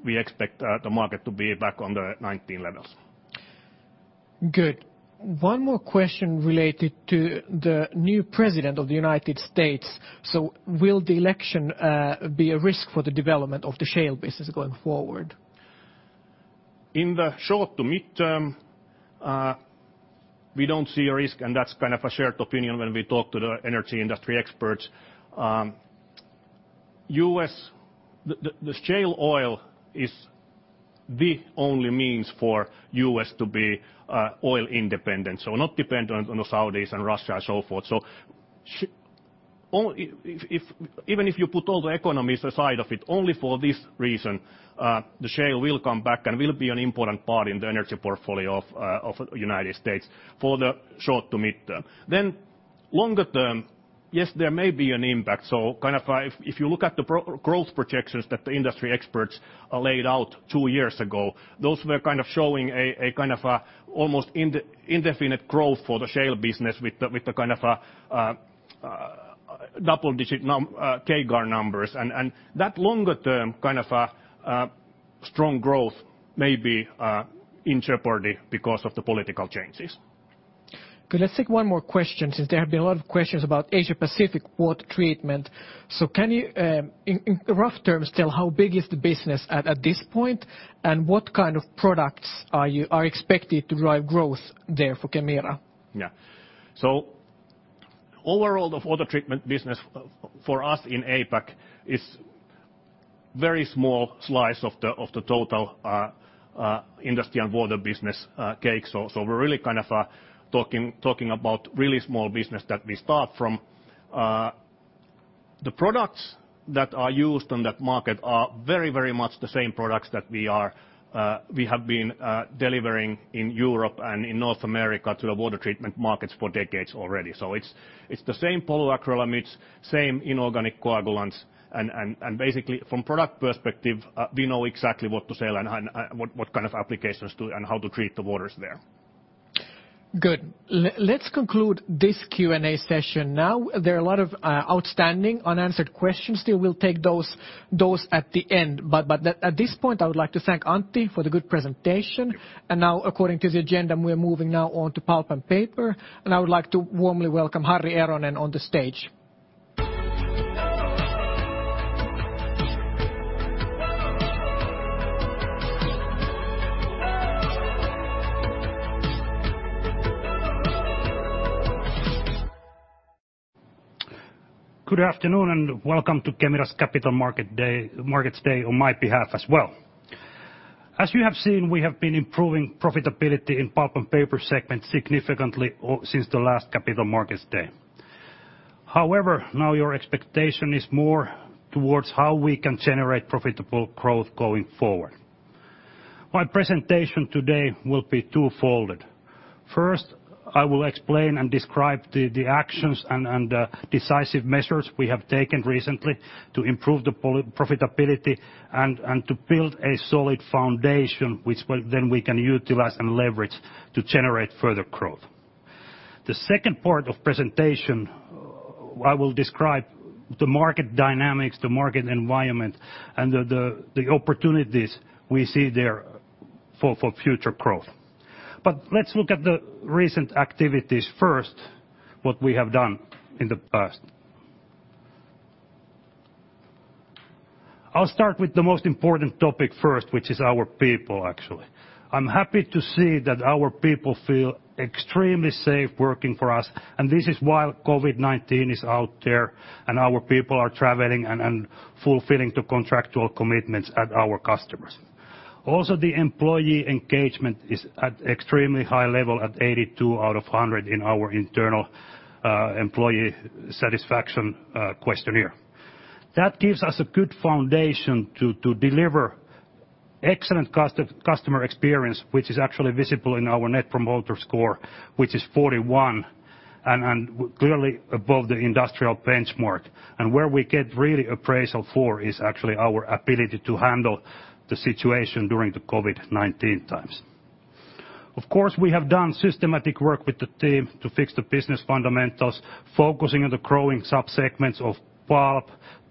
we expect the market to be back on the 2019 levels. Good. One more question related to the new president of the United States. Will the election be a risk for the development of the shale business going forward? In the short to mid-term, we don't see a risk, and that's kind of a shared opinion when we talk to the energy industry experts. The shale oil is the only means for U.S. to be oil independent, so not dependent on the Saudis and Russia and so forth. Even if you put all the economies aside of it, only for this reason, the shale will come back and will be an important part in the energy portfolio of United States for the short to mid-term. Longer term, yes, there may be an impact. If you look at the growth projections that the industry experts laid out two years ago, those were showing a kind of almost indefinite growth for the shale business with the double-digit CAGR numbers. That longer-term strong growth may be in jeopardy because of the political changes. Good. Let's take one more question since there have been a lot of questions about Asia-Pacific water treatment. Can you, in rough terms, tell how big is the business at this point, and what kind of products are expected to drive growth there for Kemira? Overall, the water treatment business for us in APAC is very small slice of the total Industry & Water business cake. We're really kind of talking about really small business that we start from. The products that are used on that market are very much the same products that we have been delivering in Europe and in North America to the water treatment markets for decades already. It's the same polyacrylamides, same inorganic coagulants, and basically from product perspective, we know exactly what to sell and what kind of applications and how to treat the waters there. Good. Let's conclude this Q&A session now. There are a lot of outstanding unanswered questions still. We'll take those at the end. At this point, I would like to thank Antti for the good presentation. Now according to the agenda, we're moving now on to Pulp & Paper, and I would like to warmly welcome Harri Eronen on the stage. Good afternoon, welcome to Kemira's Capital Markets Day on my behalf as well. As you have seen, we have been improving profitability in Pulp & Paper segment significantly since the last Capital Markets Day. Now your expectation is more towards how we can generate profitable growth going forward. My presentation today will be two-folded. First, I will explain and describe the actions and decisive measures we have taken recently to improve the profitability and to build a solid foundation which then we can utilize and leverage to generate further growth. The second part of presentation, I will describe the market dynamics, the market environment, and the opportunities we see there for future growth. Let's look at the recent activities first, what we have done in the past. I'll start with the most important topic first, which is our people, actually. I'm happy to see that our people feel extremely safe working for us, and this is while COVID-19 is out there, and our people are traveling and fulfilling the contractual commitments at our customers. Also, the employee engagement is at extremely high level at 82 out of 100 in our internal employee satisfaction questionnaire. That gives us a good foundation to deliver excellent customer experience, which is actually visible in our Net Promoter Score, which is 41, and clearly above the industrial benchmark. Where we get really appraisal for is actually our ability to handle the situation during the COVID-19 times. Of course, we have done systematic work with the team to fix the business fundamentals, focusing on the growing subsegments of pulp,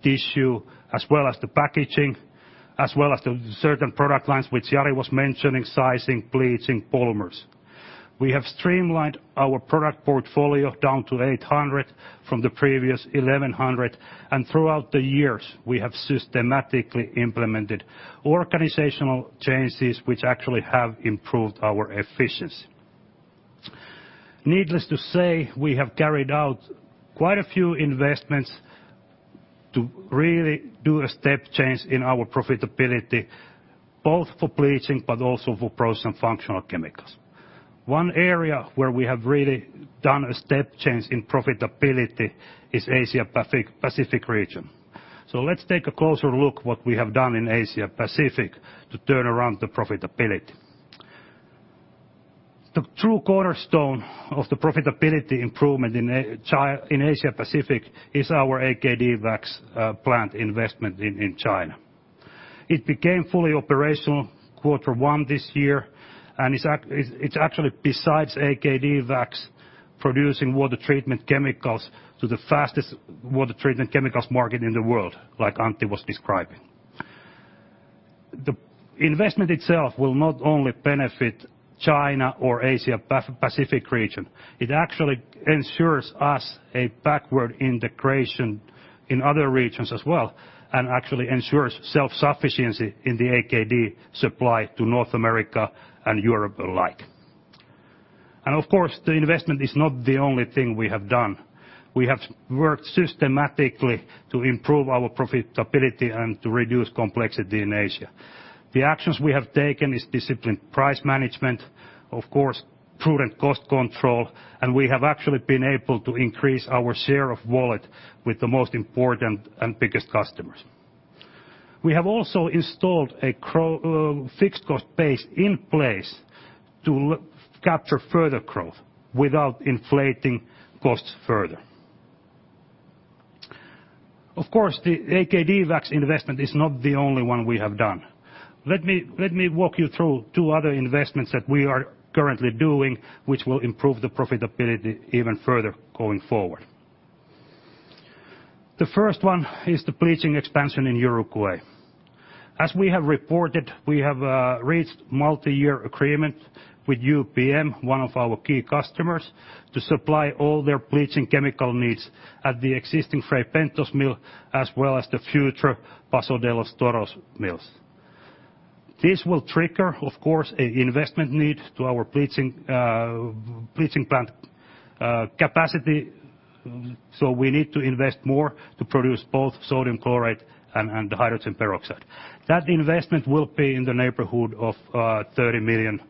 tissue, as well as the packaging, as well as the certain product lines which Jari was mentioning, sizing, bleaching, polymers. We have streamlined our product portfolio down to 800 from the previous 1,100, and throughout the years, we have systematically implemented organizational changes which actually have improved our efficiency. Needless to say, we have carried out quite a few investments to really do a step change in our profitability, both for bleaching but also for process and functional chemicals. One area where we have really done a step change in profitability is Asia-Pacific region. Let's take a closer look what we have done in Asia-Pacific to turn around the profitability. The true cornerstone of the profitability improvement in Asia-Pacific is our AKD wax plant investment in China. It became fully operational quarter one this year, and it's actually, besides AKD wax, producing water treatment chemicals to the fastest water treatment chemicals market in the world, like Antti was describing. The investment itself will not only benefit China or Asia Pacific region. It actually ensures us a backward integration in other regions as well, and actually ensures self-sufficiency in the AKD supply to North America and Europe alike. Of course, the investment is not the only thing we have done. We have worked systematically to improve our profitability and to reduce complexity in Asia. The actions we have taken is disciplined price management, of course, prudent cost control, and we have actually been able to increase our share of wallet with the most important and biggest customers. We have also installed a fixed cost base in place to capture further growth without inflating costs further. Of course, the AKD wax investment is not the only one we have done. Let me walk you through two other investments that we are currently doing, which will improve the profitability even further going forward. The first one is the bleaching expansion in Uruguay. As we have reported, we have reached multi-year agreement with UPM, one of our key customers, to supply all their bleaching chemical needs at the existing Fray Bentos mill, as well as the future Paso de los Toros mills. This will trigger, of course, a investment need to our bleaching plant capacity, we need to invest more to produce both sodium chlorate and the hydrogen peroxide. That investment will be in the neighborhood of $30 million.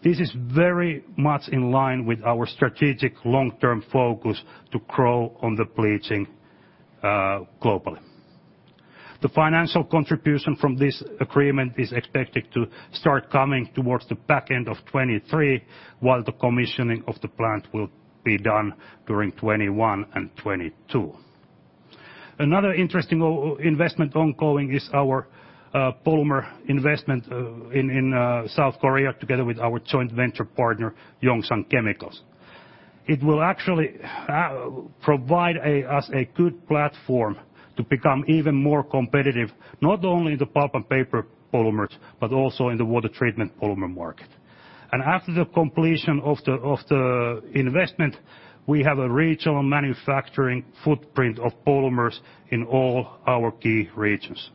This is very much in line with our strategic long-term focus to grow on the bleaching globally. The financial contribution from this agreement is expected to start coming towards the back end of 2023, while the commissioning of the plant will be done during 2021 and 2022. Another interesting investment ongoing is our polymer investment in South Korea together with our joint venture partner, Yongsan Chemicals. It will actually provide us a good platform to become even more competitive, not only in the pulp and paper polymers, but also in the water treatment polymer market. After the completion of the investment, we have a regional manufacturing footprint of polymers in all our key regions.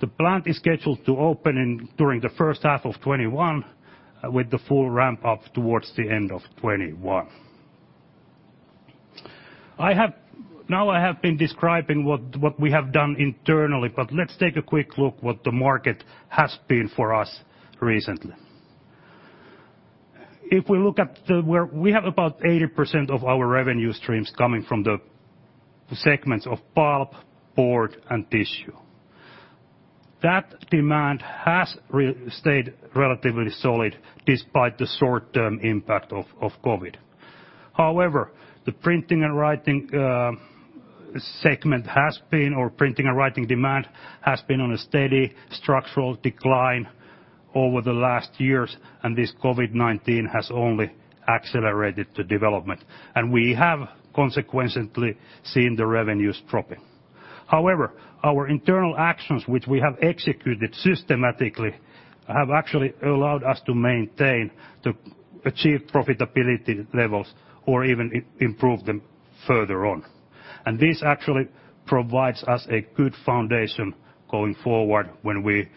The plant is scheduled to open during the first half of 2021, with the full ramp-up towards the end of 2021. Now I have been describing what we have done internally, but let's take a quick look what the market has been for us recently. We have about 80% of our revenue streams coming from the segments of pulp, board, and tissue. That demand has stayed relatively solid despite the short-term impact of COVID-19. However, the printing and writing segment has been, or printing and writing demand, has been on a steady structural decline over the last years, and this COVID-19 has only accelerated the development. We have consequently seen the revenues dropping. However, our internal actions, which we have executed systematically, have actually allowed us to maintain, to achieve profitability levels or even improve them further on. This actually provides us a good foundation going forward when we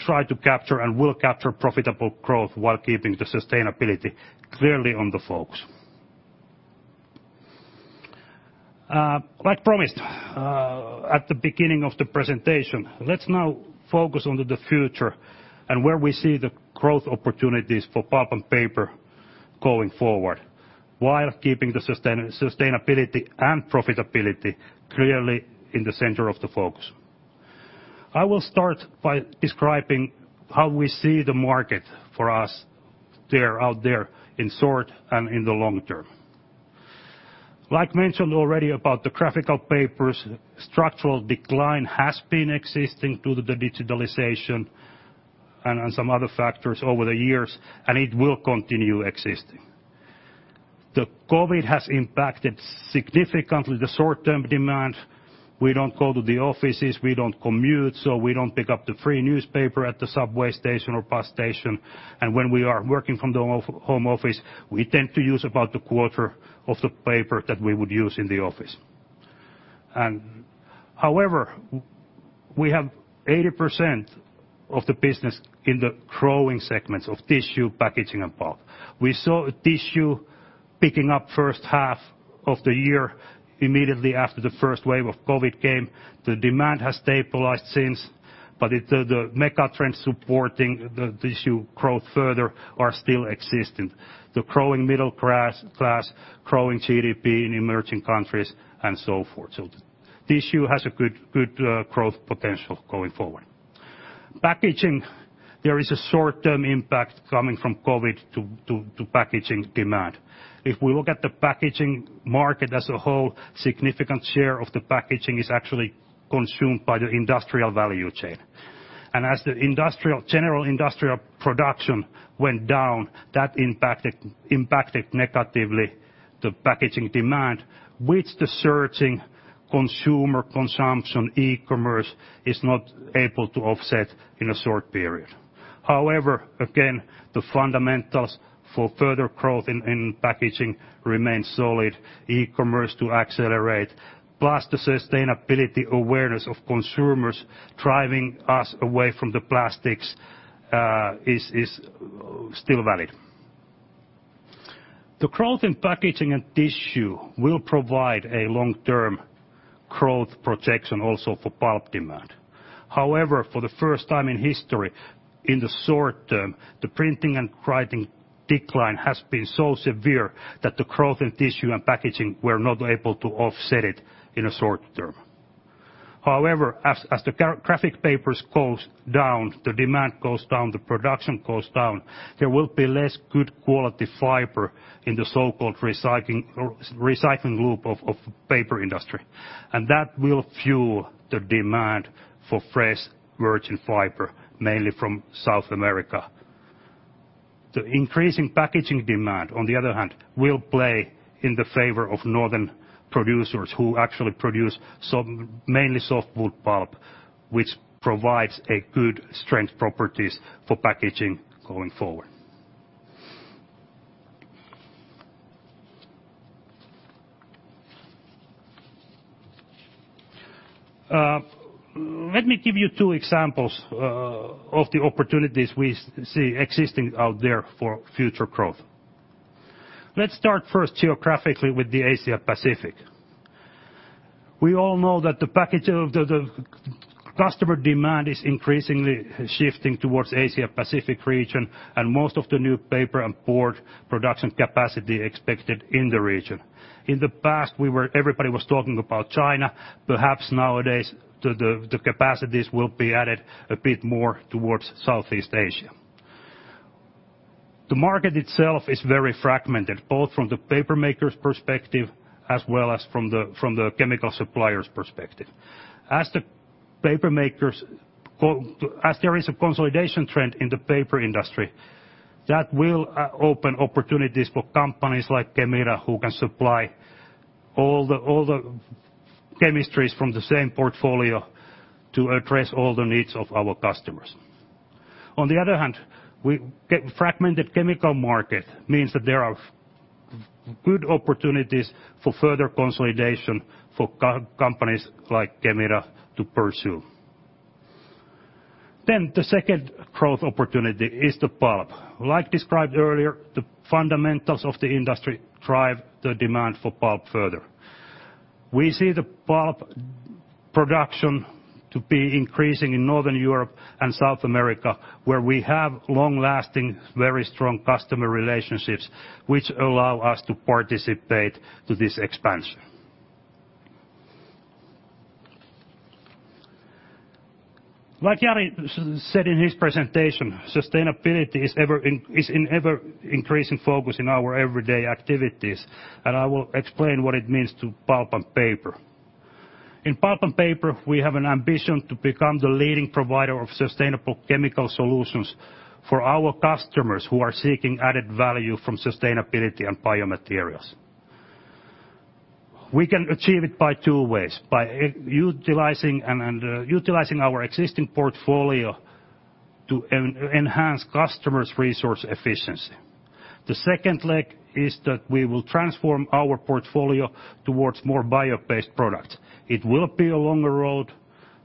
try to capture and will capture profitable growth while keeping the sustainability clearly on the focus. Like promised, at the beginning of the presentation, let's now focus on the future and where we see the growth opportunities for pulp and paper going forward, while keeping the sustainability and profitability clearly in the center of the focus. I will start by describing how we see the market for us out there in short and in the long term. Like mentioned already about the graphical papers, structural decline has been existing due to the digitalization and some other factors over the years, and it will continue existing. The COVID-19 has impacted significantly the short-term demand. We don't go to the offices, we don't commute, so we don't pick up the free newspaper at the subway station or bus station. When we are working from the home office, we tend to use about a quarter of the paper that we would use in the office. However, we have 80% of the business in the growing segments of tissue, packaging, and pulp. We saw tissue picking up first half of the year immediately after the first wave of COVID-19 came. The demand has stabilized since, the mega trends supporting the tissue growth further are still existing. The growing middle class, growing GDP in emerging countries, and so forth. The tissue has a good growth potential going forward. Packaging, there is a short-term impact coming from COVID-19 to packaging demand. If we look at the packaging market as a whole, significant share of the packaging is actually consumed by the industrial value chain. As the general industrial production went down, that impacted negatively the packaging demand, which the surging consumer consumption, e-commerce is not able to offset in a short period. Again, the fundamentals for further growth in packaging remain solid, e-commerce to accelerate, plus the sustainability awareness of consumers driving us away from the plastics is still valid. The growth in packaging and tissue will provide a long-term growth projection also for pulp demand. For the first time in history, in the short-term, the printing and writing decline has been so severe that the growth in tissue and packaging were not able to offset it in a short-term. As the graphic papers goes down, the demand goes down, the production goes down, there will be less good quality fiber in the so-called recycling loop of paper industry. That will fuel the demand for fresh virgin fiber, mainly from South America. The increasing packaging demand, on the other hand, will play in the favor of Northern producers who actually produce mainly softwood pulp, which provides good strength properties for packaging going forward. Let me give you two examples of the opportunities we see existing out there for future growth. Let's start first geographically with the Asia Pacific. We all know that the customer demand is increasingly shifting towards Asia Pacific region, and most of the new paper and board production capacity expected in the region. In the past, everybody was talking about China. Perhaps nowadays, the capacities will be added a bit more towards Southeast Asia. The market itself is very fragmented, both from the paper maker's perspective as well as from the chemical supplier's perspective. As there is a consolidation trend in the paper industry, that will open opportunities for companies like Kemira, who can supply all the chemistries from the same portfolio to address all the needs of our customers. On the other hand, fragmented chemical market means that there are good opportunities for further consolidation for companies like Kemira to pursue. The second growth opportunity is the pulp. Like described earlier, the fundamentals of the industry drive the demand for pulp further. We see the pulp production to be increasing in Northern Europe and South America, where we have long-lasting, very strong customer relationships, which allow us to participate to this expansion. Like Jari said in his presentation, sustainability is in ever-increasing focus in our everyday activities, and I will explain what it means to Pulp & Paper. In Pulp & Paper, we have an ambition to become the leading provider of sustainable chemical solutions for our customers who are seeking added value from sustainability and biomaterials. We can achieve it by two ways: by utilizing our existing portfolio to enhance customers' resource efficiency. The second leg is that we will transform our portfolio towards more bio-based products. It will be a longer road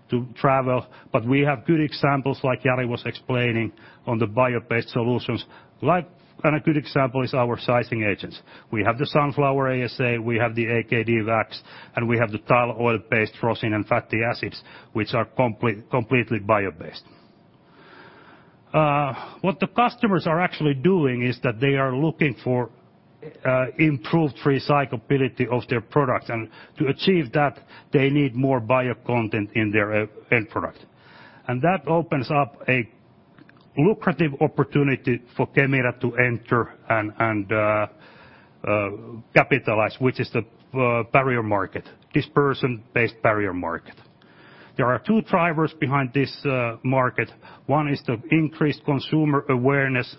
to travel, but we have good examples like Jari was explaining on the bio-based solutions, and a good example is our sizing agents. We have the sunflower ASA, we have the AKD wax, and we have the tall oil-based rosin and fatty acids, which are completely bio-based. What the customers are actually doing is that they are looking for improved recyclability of their products, and to achieve that, they need more bio content in their end product. That opens up a lucrative opportunity for Kemira to enter and capitalize, which is the barrier market, dispersion-based barrier market. There are two drivers behind this market. One is the increased consumer awareness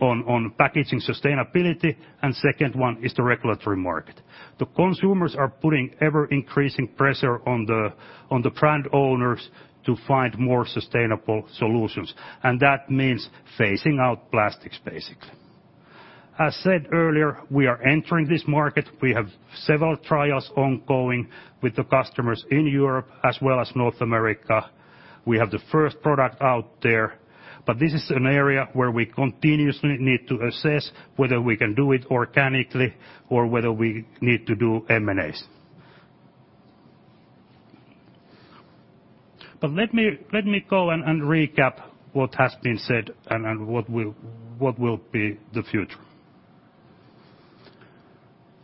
on packaging sustainability, and second one is the regulatory market. The consumers are putting ever-increasing pressure on the brand owners to find more sustainable solutions, and that means phasing out plastics, basically. As said earlier, we are entering this market. We have several trials ongoing with the customers in Europe as well as North America. We have the first product out there, but this is an area where we continuously need to assess whether we can do it organically or whether we need to do M&As. Let me go and recap what has been said and what will be the future.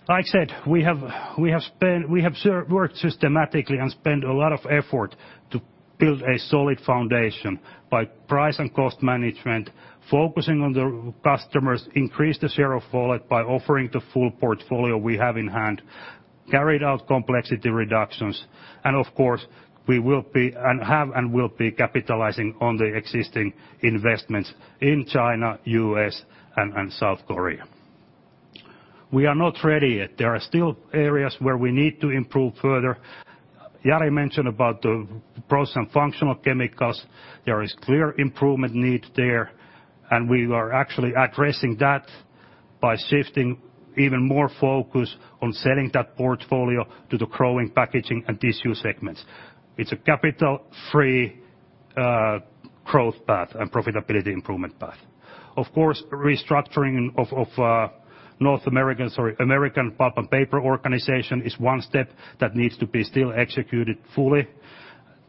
Like I said, we have worked systematically and spent a lot of effort to build a solid foundation by price and cost management, focusing on the customers, increase the share of wallet by offering the full portfolio we have in hand. Carried out complexity reductions, of course, we have and will be capitalizing on the existing investments in China, U.S., and South Korea. We are not ready yet. There are still areas where we need to improve further. Jari mentioned about the process and functional chemicals. There is clear improvement need there. We are actually addressing that by shifting even more focus on selling that portfolio to the growing packaging and tissue segments. It's a capital-free, growth path and profitability improvement path. Of course, restructuring of North American, sorry, American pulp and paper organization is one step that needs to be still executed fully.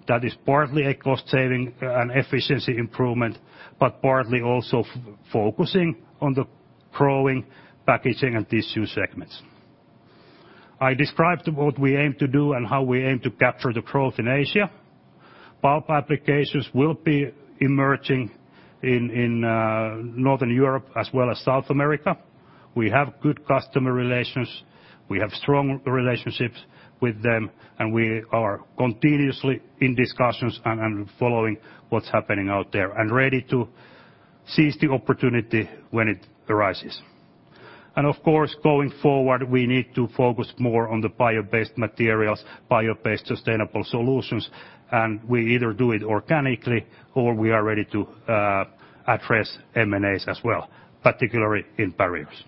That is partly a cost-saving and efficiency improvement, but partly also focusing on the growing packaging and tissue segments. I described what we aim to do and how we aim to capture the growth in Asia. Pulp applications will be emerging in Northern Europe as well as South America. We have good customer relations. We have strong relationships with them, and we are continuously in discussions and following what's happening out there and ready to seize the opportunity when it arises. Of course, going forward, we need to focus more on the bio-based materials, bio-based sustainable solutions, and we either do it organically or we are ready to address M&As as well, particularly in barriers.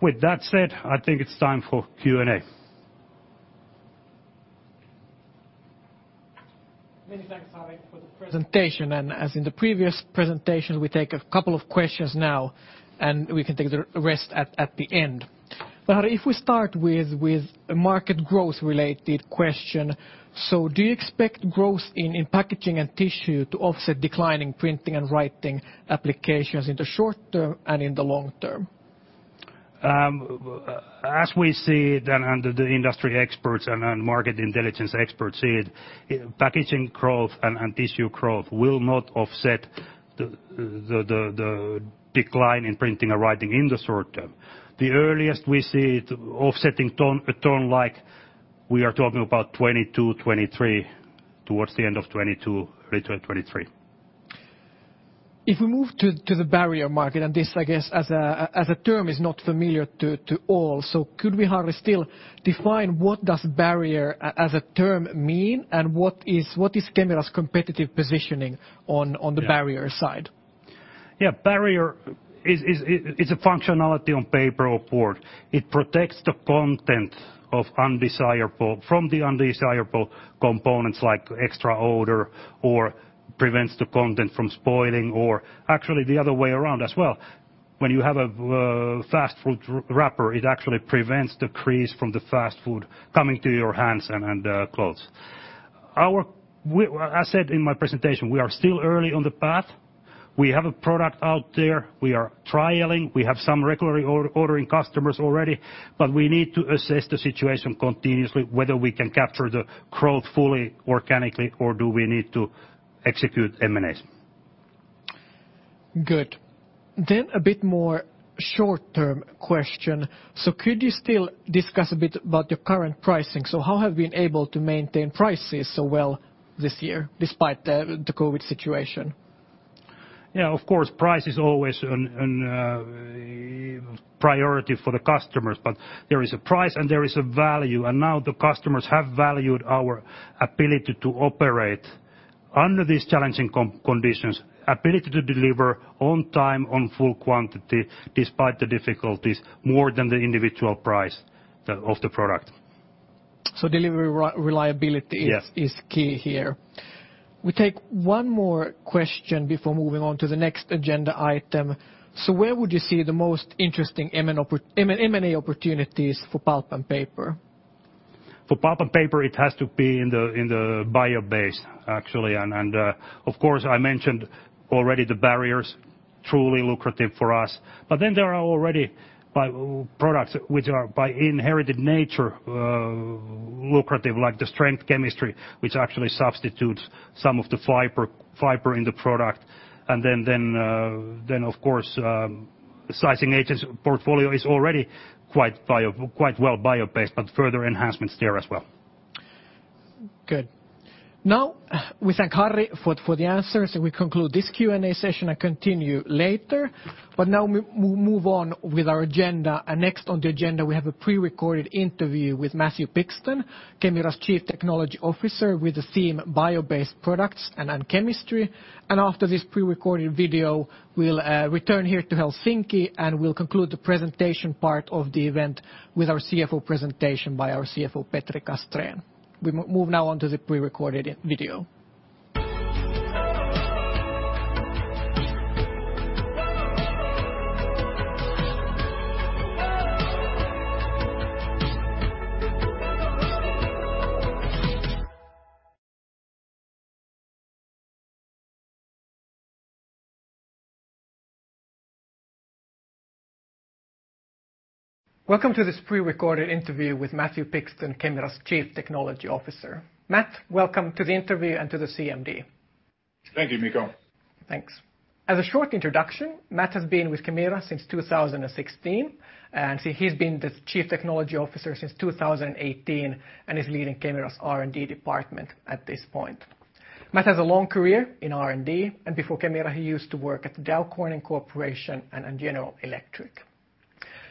With that said, I think it's time for Q&A. Many thanks, Harri, for the presentation, and as in the previous presentation, we take a couple of questions now, and we can take the rest at the end. Harri, if we start with a market growth-related question. Do you expect growth in packaging and tissue to offset decline in printing and writing applications in the short term and in the long term? As we see it, and the industry experts and market intelligence experts see it, packaging growth and tissue growth will not offset the decline in printing and writing in the short term. The earliest we see it offsetting a turn like, we are talking about 2022, 2023, towards the end of 2022, early 2023. If we move to the barrier market, and this, I guess, as a term is not familiar to all, so could we, Harri, still define what does barrier as a term mean, and what is Kemira's competitive positioning on the barrier side? Yeah. Barrier is a functionality on paper or board. It protects the content from the undesirable components, like extra odor, or prevents the content from spoiling. Actually the other way around as well, when you have a fast-food wrapper, it actually prevents the grease from the fast food coming to your hands and clothes. As said in my presentation, we are still early on the path. We have a product out there we are trialing. We have some regularly ordering customers already, but we need to assess the situation continuously, whether we can capture the growth fully organically, or do we need to execute M&As. Good. A bit more short-term question. Could you still discuss a bit about your current pricing? How have you been able to maintain prices so well this year despite the COVID-19 situation? Of course, price is always a priority for the customers. There is a price and there is a value. Now the customers have valued our ability to operate under these challenging conditions, ability to deliver on time, on full quantity despite the difficulties, more than the individual price of the product. So delivery reliability- Yes is key here. We take one more question before moving on to the next agenda item. Where would you see the most interesting M&A opportunities for pulp and paper? For pulp and paper, it has to be in the bio-based, actually. Of course, I mentioned already the barriers, truly lucrative for us. Then there are already products which are by inherited nature lucrative, like the strength chemistry, which actually substitutes some of the fiber in the product. Then, of course, sizing agents portfolio is already quite well bio-based, but further enhancements there as well. Good. We thank Harri for the answers, and we conclude this Q&A session and continue later. We move on with our agenda. Next on the agenda, we have a prerecorded interview with Matthew Pixton, Kemira's Chief Technology Officer, with the theme bio-based products and chemistry. After this prerecorded video, we'll return here to Helsinki, and we'll conclude the presentation part of the event with our CFO presentation by our CFO, Petri Castrén. We move now on to the prerecorded video. Welcome to this prerecorded interview with Matthew Pixton, Kemira's Chief Technology Officer. Matt, welcome to the interview and to the CMD. Thank you, Mikko. Thanks. As a short introduction, Matt has been with Kemira since 2016, and he's been the Chief Technology Officer since 2018, and is leading Kemira's R&D department at this point. Matt has a long career in R&D, and before Kemira, he used to work at the Dow Corning Corporation and at General Electric.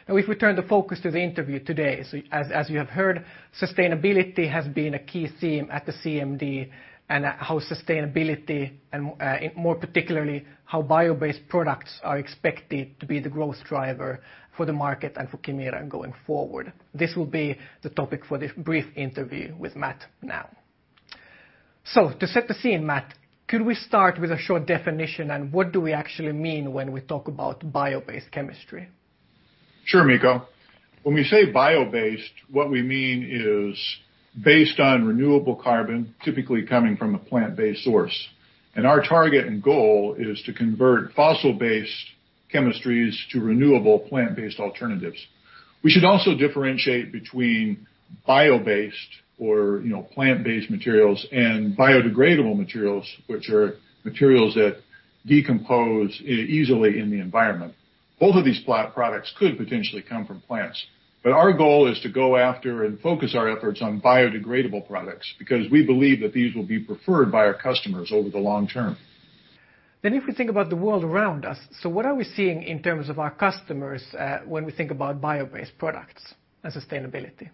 Now, if we turn the focus to the interview today, as you have heard, sustainability has been a key theme at the CMD, and how sustainability, and more particularly, how bio-based products are expected to be the growth driver for the market and for Kemira going forward. This will be the topic for this brief interview with Matt now. To set the scene, Matt, could we start with a short definition on what do we actually mean when we talk about bio-based chemistry? Sure, Mikko. When we say bio-based, what we mean is based on renewable carbon, typically coming from a plant-based source. Our target and goal is to convert fossil-based chemistries to renewable plant-based alternatives. We should also differentiate between bio-based or plant-based materials and biodegradable materials, which are materials that decompose easily in the environment. Both of these products could potentially come from plants, but our goal is to go after and focus our efforts on biodegradable products, because we believe that these will be preferred by our customers over the long term. If we think about the world around us, so what are we seeing in terms of our customers, when we think about bio-based products and sustainability?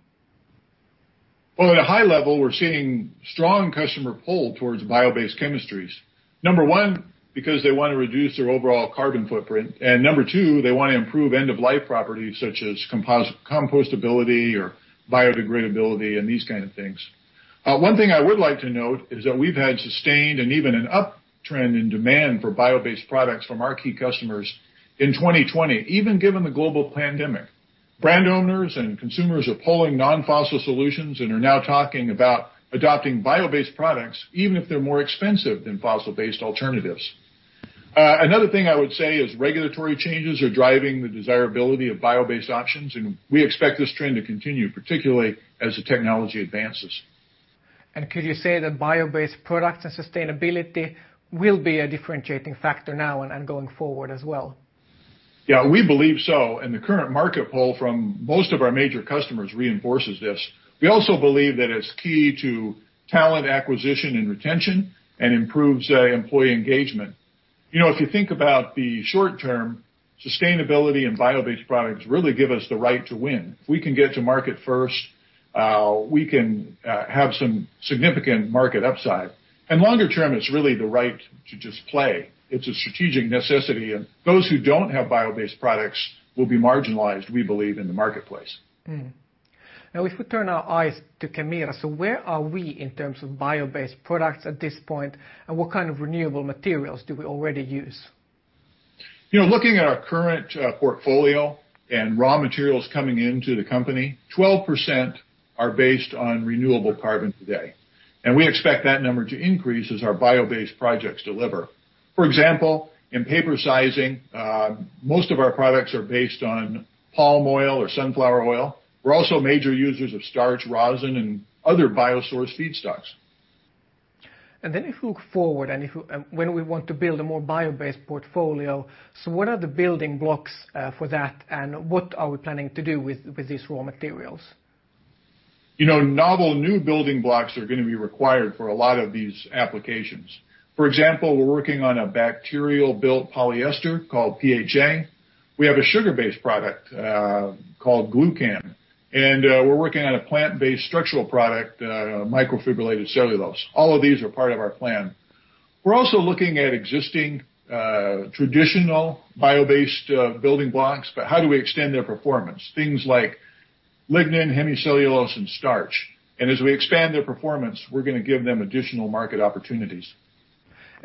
Well, at a high level, we're seeing strong customer pull towards bio-based chemistries. Number one, because they want to reduce their overall carbon footprint, and number two, they want to improve end-of-life properties such as compostability or biodegradability and these kind of things. One thing I would like to note is that we've had sustained and even an uptrend in demand for bio-based products from our key customers in 2020, even given the global pandemic. Brand owners and consumers are pulling non-fossil solutions and are now talking about adopting bio-based products even if they're more expensive than fossil-based alternatives. Another thing I would say is regulatory changes are driving the desirability of bio-based options. We expect this trend to continue, particularly as the technology advances. Could you say that bio-based products and sustainability will be a differentiating factor now and going forward as well? Yeah, we believe so, and the current market pull from most of our major customers reinforces this. We also believe that it's key to talent acquisition and retention and improves employee engagement. If you think about the short term, sustainability and bio-based products really give us the right to win. If we can get to market first, we can have some significant market upside. Longer term, it's really the right to just play. It's a strategic necessity, and those who don't have bio-based products will be marginalized, we believe, in the marketplace. If we turn our eyes to Kemira, where are we in terms of bio-based products at this point, and what kind of renewable materials do we already use? Looking at our current portfolio and raw materials coming into the company, 12% are based on renewable carbon today. We expect that number to increase as our bio-based projects deliver. For example, in paper sizing, most of our products are based on palm oil or sunflower oil. We're also major users of starch, rosin, and other bio-source feedstocks. If we look forward, and when we want to build a more bio-based portfolio, so what are the building blocks for that, and what are we planning to do with these raw materials? Novel new building blocks are going to be required for a lot of these applications. For example, we're working on a bacterial-built polyester called PHA. We have a sugar-based product called glucan. We're working on a plant-based structural product, microfibrillated cellulose. All of these are part of our plan. We're also looking at existing traditional bio-based building blocks, but how do we extend their performance? Things like lignin, hemicellulose, and starch. As we expand their performance, we're going to give them additional market opportunities.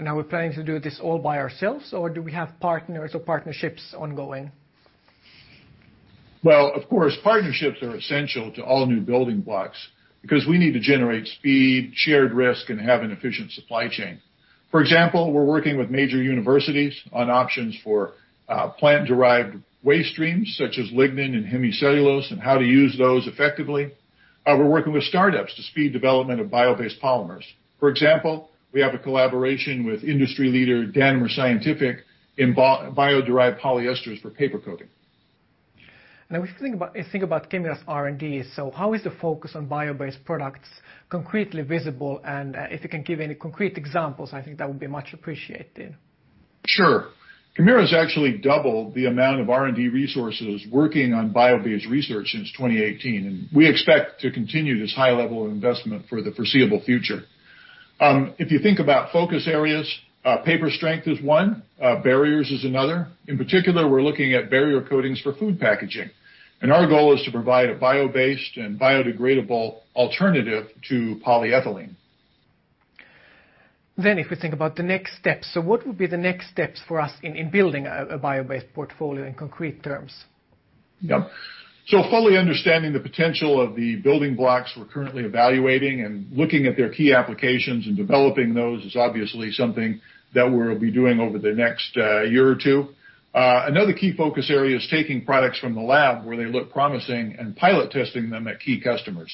Are we planning to do this all by ourselves, or do we have partners or partnerships ongoing? Well, of course, partnerships are essential to all new building blocks because we need to generate speed, shared risk, and have an efficient supply chain. For example, we're working with major universities on options for plant-derived waste streams, such as lignin and hemicellulose, and how to use those effectively. We're working with startups to speed development of bio-based polymers. For example, we have a collaboration with industry leader Danimer Scientific in bio-derived polyesters for paper coating. If we think about Kemira's R&D, how is the focus on bio-based products concretely visible? If you can give any concrete examples, I think that would be much appreciated. Sure. Kemira's actually doubled the amount of R&D resources working on bio-based research since 2018. We expect to continue this high level of investment for the foreseeable future. If you think about focus areas, paper strength is one, barriers is another. In particular, we're looking at barrier coatings for food packaging. Our goal is to provide a bio-based and biodegradable alternative to polyethylene. If we think about the next steps, what would be the next steps for us in building a bio-based portfolio in concrete terms? Yeah. Fully understanding the potential of the building blocks we're currently evaluating and looking at their key applications and developing those is obviously something that we'll be doing over the next year or two. Another key focus area is taking products from the lab, where they look promising, and pilot testing them at key customers.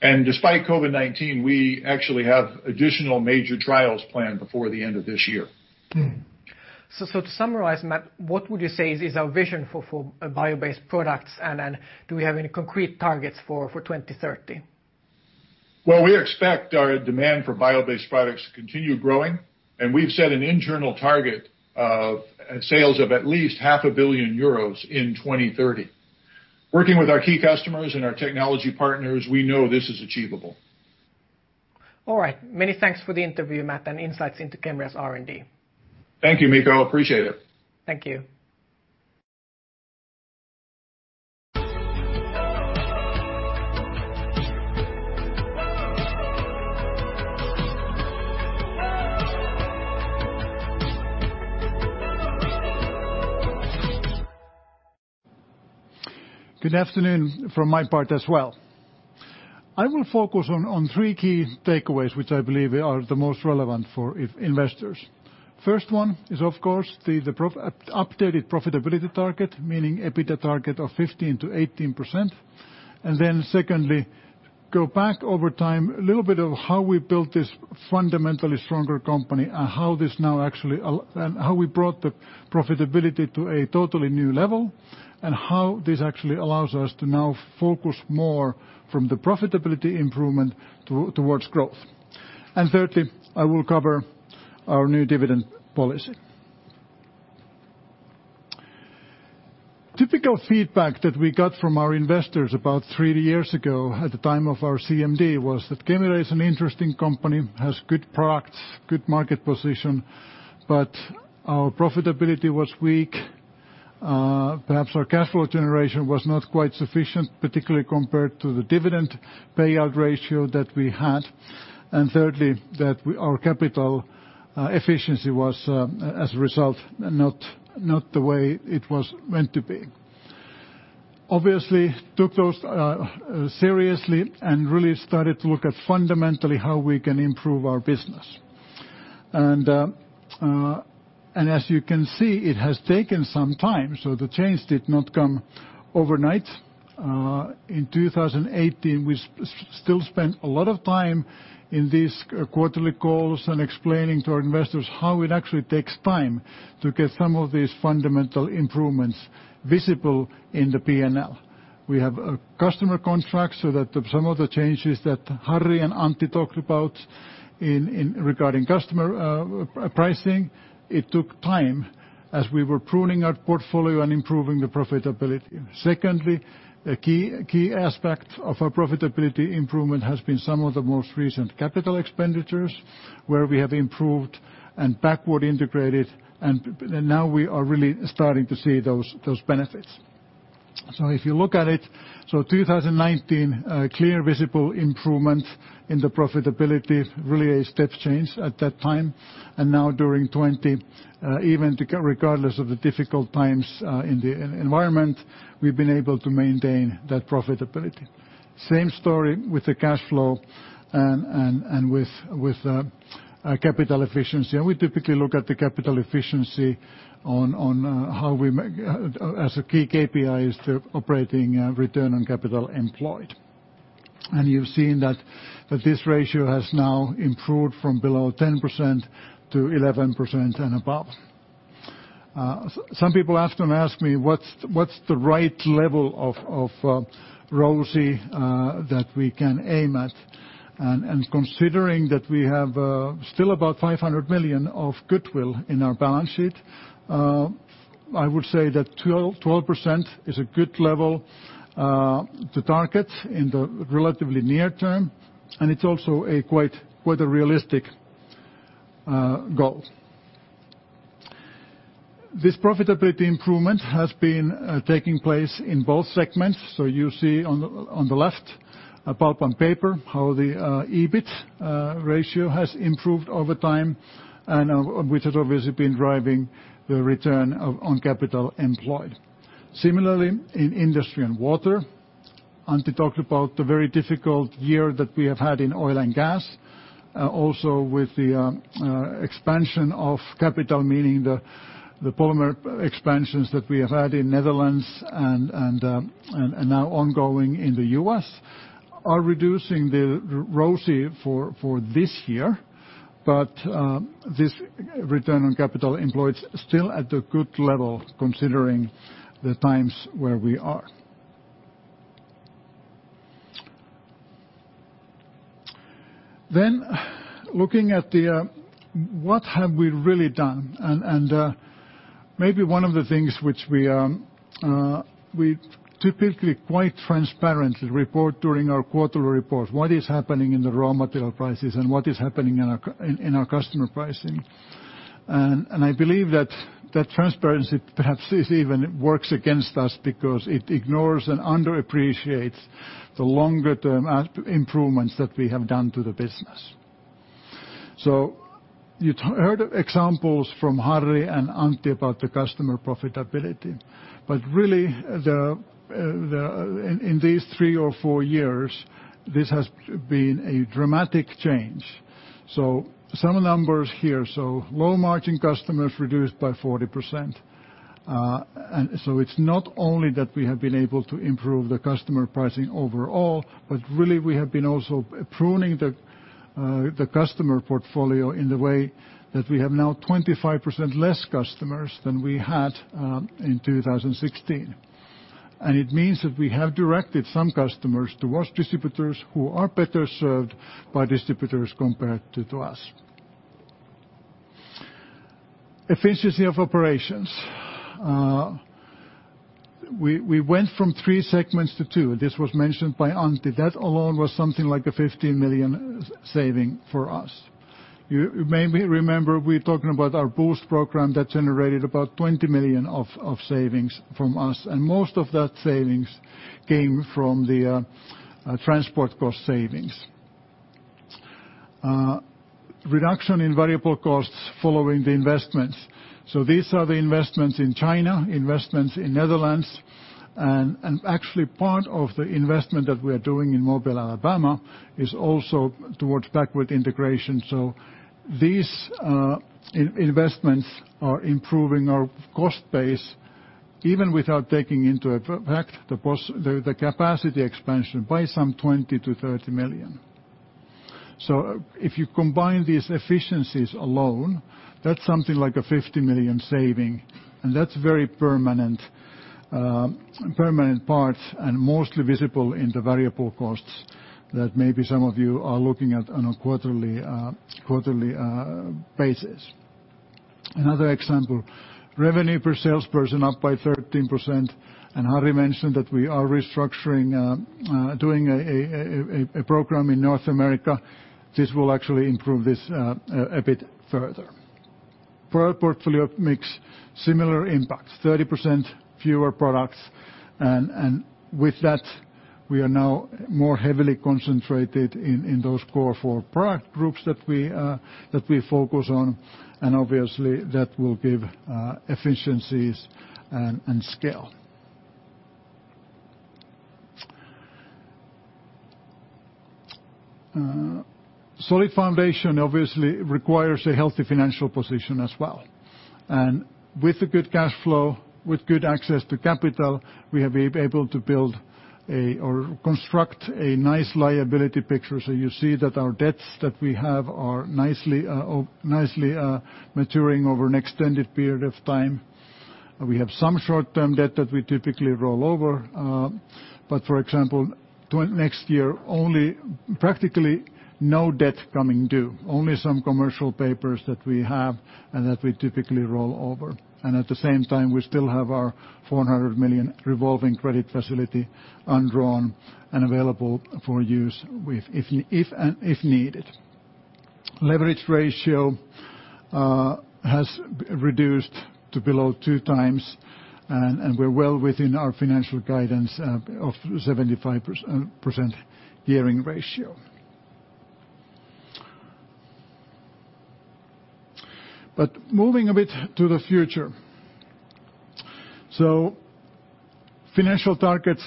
Despite COVID-19, we actually have additional major trials planned before the end of this year. To summarize, Matt, what would you say is our vision for bio-based products? Do we have any concrete targets for 2030? Well, we expect our demand for bio-based products to continue growing, and we've set an internal target of sales of at least 500 million euros in 2030. Working with our key customers and our technology partners, we know this is achievable. All right. Many thanks for the interview, Matt, and insights into Kemira's R&D. Thank you, Mikko. Appreciate it. Thank you. Good afternoon from my part as well. I will focus on three key takeaways, which I believe are the most relevant for investors. First one is, of course, the updated profitability target, meaning EBITDA target of 15%-18%. Secondly, go back over time a little bit of how we built this fundamentally stronger company, and how we brought the profitability to a totally new level, and how this actually allows us to now focus more from the profitability improvement towards growth. Thirdly, I will cover our new dividend policy. Typical feedback that we got from our investors about three years ago at the time of our CMD was that Kemira is an interesting company, has good products, good market position, but our profitability was weak. Perhaps our cash flow generation was not quite sufficient, particularly compared to the dividend payout ratio that we had. Thirdly, that our capital efficiency was, as a result, not the way it was meant to be. Obviously, took those seriously and really started to look at fundamentally how we can improve our business. As you can see, it has taken some time, so the change did not come overnight. In 2018, we still spent a lot of time in these quarterly calls and explaining to our investors how it actually takes time to get some of these fundamental improvements visible in the P&L. We have a customer contract so that some of the changes that Harri and Antti talked about regarding customer pricing, it took time as we were pruning our portfolio and improving the profitability. Secondly, a key aspect of our profitability improvement has been some of the most recent capital expenditures, where we have improved and backward integrated, and now we are really starting to see those benefits. If you look at it, 2019, clear visible improvement in the profitability, really a step change at that time. Now during 2020, even regardless of the difficult times in the environment, we've been able to maintain that profitability. Same story with the cash flow and with capital efficiency. We typically look at the capital efficiency as a key KPI is the operating return on capital employed. You've seen that this ratio has now improved from below 10% to 11% and above. Some people often ask me, "What's the right level of ROCE that we can aim at?" Considering that we have still about 500 million of goodwill in our balance sheet, I would say that 12% is a good level to target in the relatively near term. It's also quite a realistic goal. This profitability improvement has been taking place in both segments. You see on the left, Pulp and Paper, how the EBIT ratio has improved over time, which has obviously been driving the return on capital employed. Similarly, in Industry and Water, Antti talked about the very difficult year that we have had in oil and gas. Also with the expansion of capital, meaning the polymer expansions that we have had in Netherlands and now ongoing in the U.S., are reducing the ROCE for this year. This return on capital employed is still at a good level considering the times where we are. Looking at what have we really done, and maybe one of the things which we typically quite transparently report during our quarterly report, what is happening in the raw material prices and what is happening in our customer pricing. I believe that transparency perhaps even works against us because it ignores and underappreciates the longer term improvements that we have done to the business. You heard examples from Harri and Antti about the customer profitability. Really, in these three or four years, this has been a dramatic change. Some numbers here. Low margin customers reduced by 40%. It's not only that we have been able to improve the customer pricing overall, but really we have been also pruning the customer portfolio in the way that we have now 25% less customers than we had in 2016. It means that we have directed some customers towards distributors who are better served by distributors compared to us. Efficiency of operations. We went from three segments to two, this was mentioned by Antti. That alone was something like a 15 million saving for us. You may remember we're talking about our Boost program that generated about 20 million of savings from us, and most of that savings came from the transport cost savings. Reduction in variable costs following the investments. These are the investments in China, investments in Netherlands, and actually part of the investment that we are doing in Mobile, Alabama, is also towards backward integration. These investments are improving our cost base, even without taking into effect the capacity expansion by some 20 million-30 million. If you combine these efficiencies alone, that's something like a 50 million saving, and that's very permanent parts and mostly visible in the variable costs that maybe some of you are looking at on a quarterly basis. Another example, revenue per salesperson up by 13%, and Harri mentioned that we are restructuring, doing a program in North America. This will actually improve this a bit further. Product portfolio mix, similar impacts, 30% fewer products. With that, we are now more heavily concentrated in those core four product groups that we focus on. Obviously, that will give efficiencies and scale. Solid foundation obviously requires a healthy financial position as well. With a good cash flow, with good access to capital, we have been able to construct a nice liability picture. You see that our debts that we have are nicely maturing over an extended period of time. We have some short-term debt that we typically roll over. For example, next year, only practically no debt coming due, only some commercial papers that we have and that we typically roll over. At the same time, we still have our 400 million revolving credit facility undrawn and available for use if needed. Leverage ratio has reduced to below two times, and we're well within our financial guidance of 75% gearing ratio. Moving a bit to the future. Financial targets,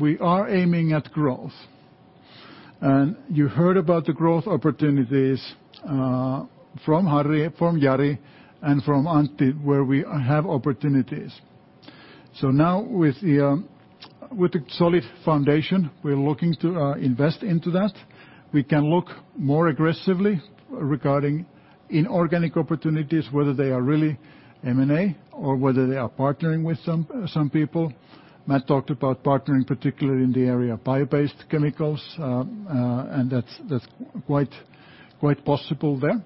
we are aiming at growth. You heard about the growth opportunities from Harri, from Jari, and from Antti, where we have opportunities. Now with the solid foundation, we are looking to invest into that. We can look more aggressively regarding inorganic opportunities, whether they are really M&A or whether they are partnering with some people. Matt talked about partnering, particularly in the area of bio-based chemicals, and that is quite possible there.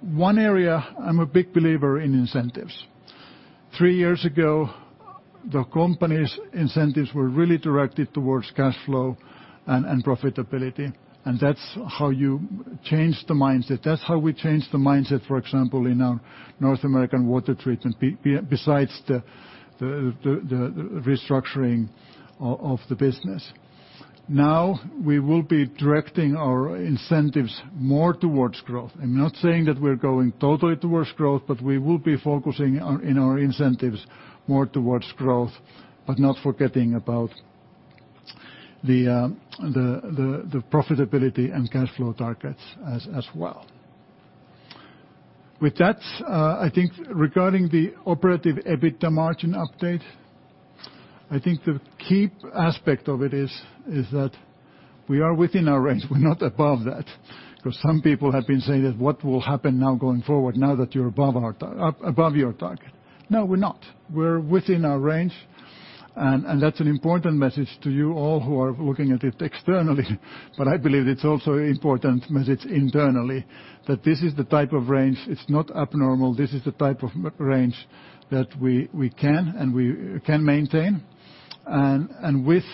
One area, I am a big believer in incentives. Three years ago, the company’s incentives were really directed towards cash flow and profitability, and that is how you change the mindset. That is how we change the mindset, for example, in our North American water treatment, besides the restructuring of the business. Now we will be directing our incentives more towards growth. I'm not saying that we're going totally towards growth, but we will be focusing in our incentives more towards growth, but not forgetting about the profitability and cash flow targets as well. With that, I think regarding the Operative EBITDA margin update, I think the key aspect of it is that we are within our range. We're not above that because some people have been saying that what will happen now going forward now that you're above your target. No, we're not. We're within our range, and that's an important message to you all who are looking at it externally. I believe it's also important message internally that this is the type of range. It's not abnormal. This is the type of range that we can maintain. With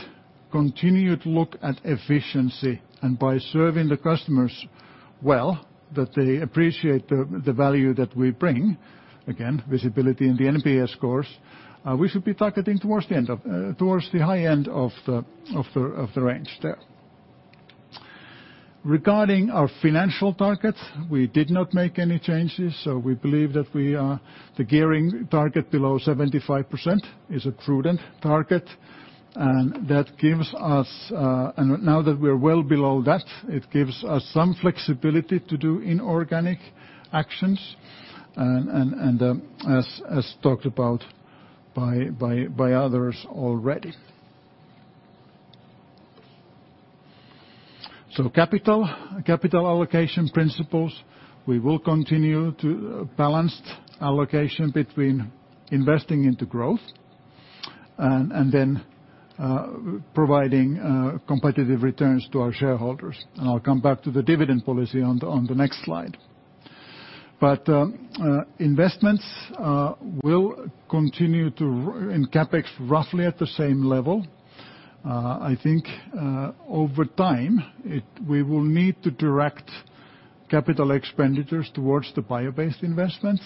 continued look at efficiency and by serving the customers well, that they appreciate the value that we bring, again, visibility in the NPS scores, we should be targeting towards the high end of the range there. Regarding our financial targets, we did not make any changes. We believe that the gearing target below 75% is a prudent target, and now that we are well below that, it gives us some flexibility to do inorganic actions, as talked about by others already. Capital allocation principles, we will continue to balanced allocation between investing into growth and then providing competitive returns to our shareholders. I will come back to the dividend policy on the next slide. Investments will continue in CapEx, roughly at the same level. I think, over time, we will need to direct capital expenditures towards the bio-based investments.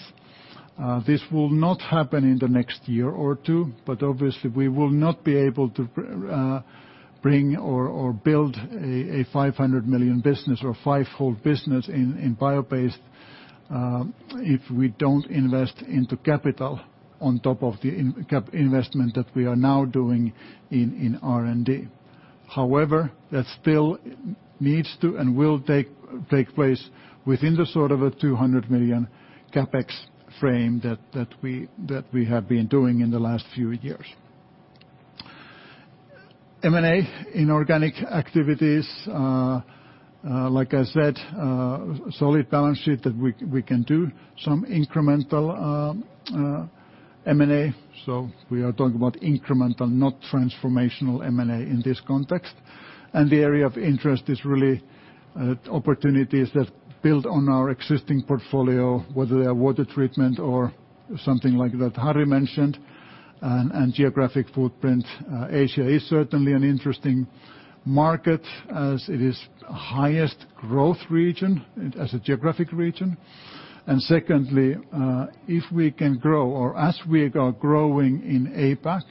This will not happen in the next year or two. Obviously, we will not be able to bring or build a 500 million business or five-fold business in bio-based, if we don't invest into capital on top of the investment that we are now doing in R&D. That still needs to and will take place within the sort of a 200 million CapEx frame that we have been doing in the last few years. M&A inorganic activities, like I said, solid balance sheet that we can do some incremental M&A. We are talking about incremental, not transformational M&A in this context. The area of interest is really opportunities that build on our existing portfolio, whether they are water treatment or something like that Harri mentioned, and geographic footprint. Asia is certainly an interesting market as it is highest growth region as a geographic region. Secondly, if we can grow or as we are growing in APAC,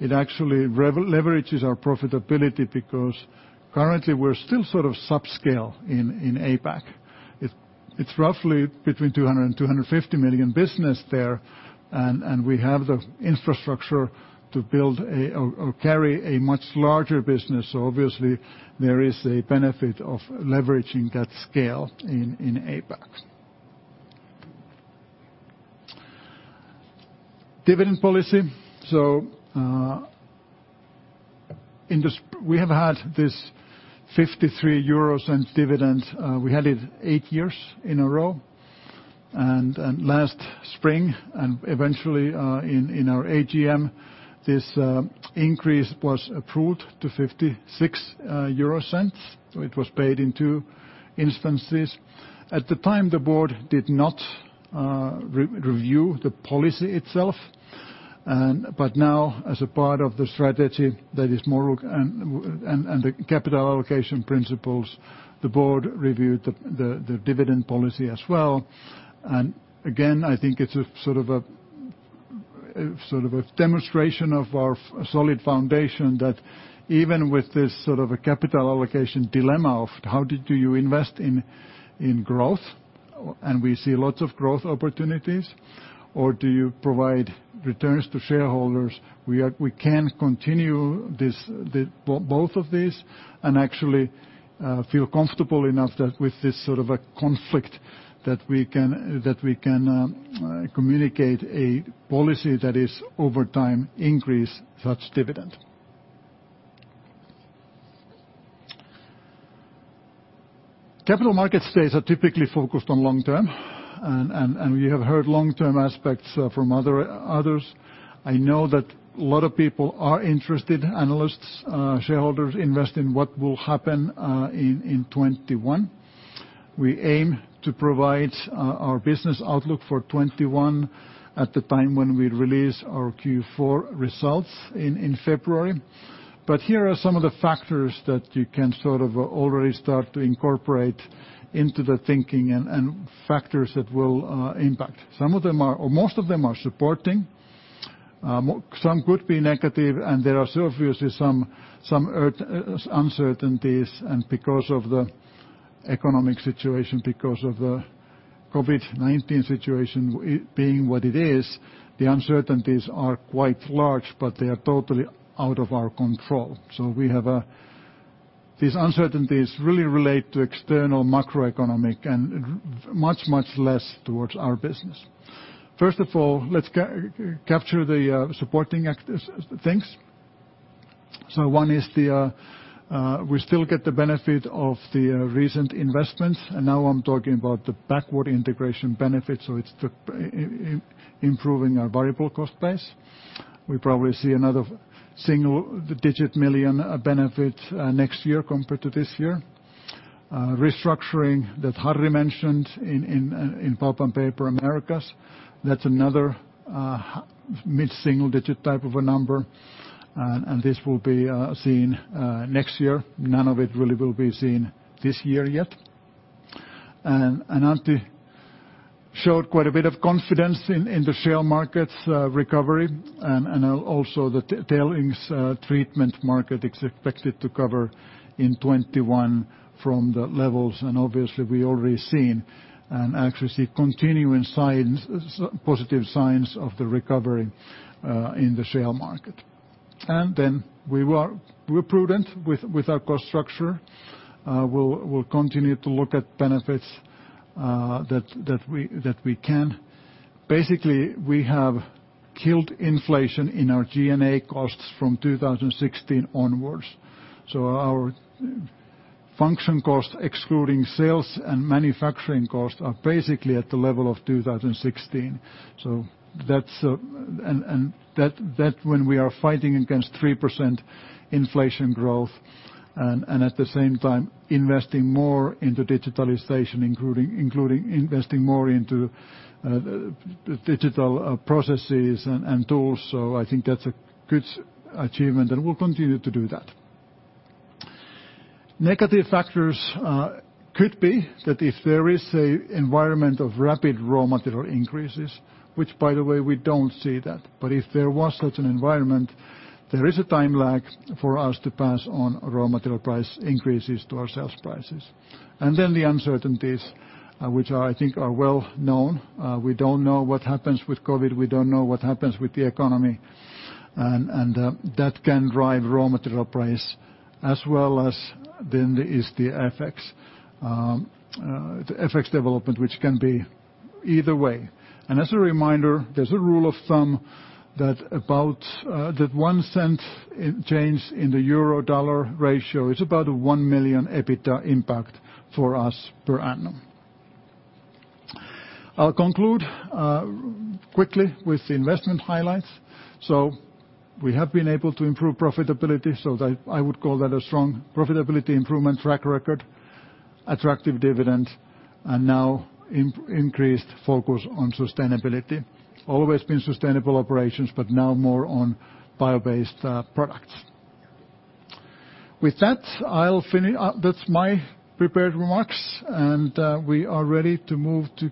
it actually leverages our profitability because currently we're still sort of subscale in APAC. It's roughly between 200 million and 250 million business there, and we have the infrastructure to build or carry a much larger business. Obviously there is a benefit of leveraging that scale in APAC. Dividend policy. We have had this 0.53 euros in dividends. We had it eight years in a row. Last spring, and eventually, in our AGM, this increase was approved to 0.56. It was paid in two instances. At the time, the board did not review the policy itself. Now, as a part of the strategy that is more And the capital allocation principles, the board reviewed the dividend policy as well. I think it's a demonstration of our solid foundation that even with this capital allocation dilemma of how did you invest in growth, and we see lots of growth opportunities, or do you provide returns to shareholders? We can continue both of these and actually feel comfortable enough that with this sort of a conflict that we can communicate a policy that is over time increase such dividend. Capital markets are typically focused on long-term, we have heard long-term aspects from others. I know that a lot of people are interested, analysts, shareholders invest in what will happen in 2021. We aim to provide our business outlook for 2021 at the time when we release our Q4 results in February. Here are some of the factors that you can sort of already start to incorporate into the thinking and factors that will impact. Most of them are supporting. Some could be negative. There are obviously some uncertainties, and because of the economic situation, because of the COVID-19 situation being what it is, the uncertainties are quite large, but they are totally out of our control. These uncertainties really relate to external macroeconomic and much less towards our business. First of all, let's capture the supporting things. One is we still get the benefit of the recent investments, and now I'm talking about the backward integration benefits, so it's the improving our variable cost base. We probably see another single digit million benefit next year compared to this year. Restructuring that Harri mentioned in Pulp & Paper Americas, that's another mid-single digit type of a number. This will be seen next year. None of it really will be seen this year yet. Antti showed quite a bit of confidence in the shale market's recovery and also the tailings treatment market is expected to recover in 2021 from the levels, and obviously we already seen and actually see continuing positive signs of the recovery in the shale market. We're prudent with our cost structure. We'll continue to look at benefits that we can. Basically, we have killed inflation in our G&A costs from 2016 onwards. Our function costs, excluding sales and manufacturing costs, are basically at the level of 2016. When we are fighting against 3% inflation growth and at the same time investing more into digitalization, including investing more into digital processes and tools. I think that's a good achievement and we'll continue to do that. Negative factors could be that if there is an environment of rapid raw material increases, which by the way, we don't see that, but if there was such an environment, there is a time lag for us to pass on raw material price increases to our sales prices. Then the uncertainties, which I think are well known. We don't know what happens with COVID-19. We don't know what happens with the economy, that can drive raw material price as well as then is the FX development, which can be either way. As a reminder, there's a rule of thumb that 0.01 change in the euro dollar ratio is about a 1 million EBITDA impact for us per annum. I'll conclude quickly with the investment highlights. We have been able to improve profitability. I would call that a strong profitability improvement track record, attractive dividend, and now increased focus on sustainability. Always been sustainable operations, but now more on bio-based products. With that's my prepared remarks and we are ready to move to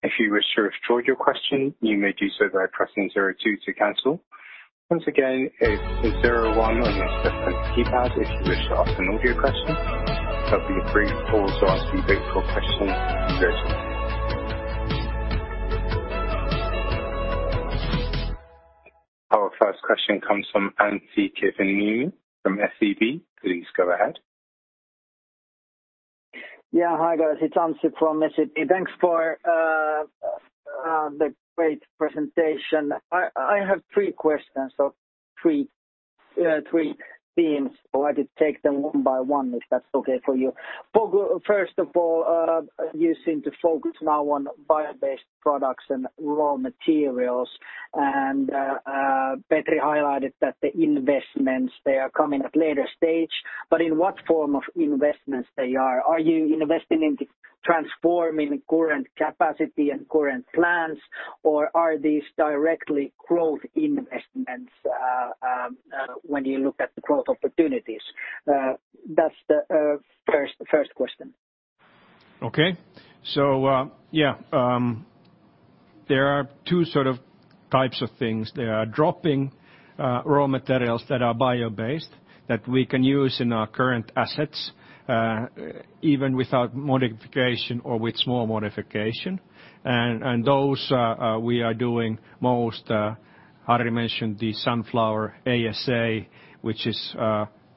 Q&A. Our first question comes from Anssi Kiviniemi from SEB. Please go ahead. Hi, guys. It's Anssi from SEB. Thanks for the great presentation. I have three questions or three themes. I could take them one by one, if that's okay for you. First of all, you seem to focus now on bio-based products and raw materials, and Petri highlighted that the investments they are coming at later stage, but in what form of investments they are? Are you investing into transforming current capacity and current plans, or are these directly growth investments when you look at the growth opportunities? That's the first question. Okay. Yeah, there are two sort of types of things. There are drop-in raw materials that are bio-based that we can use in our current assets even without modification or with small modification. Those we are doing most, Harri mentioned the sunflower ASA, which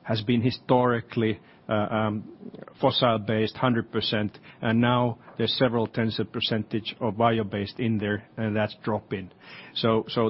has been historically fossil-based 100%, and now there's several tens of percentage of bio-based in there, and that's drop-in.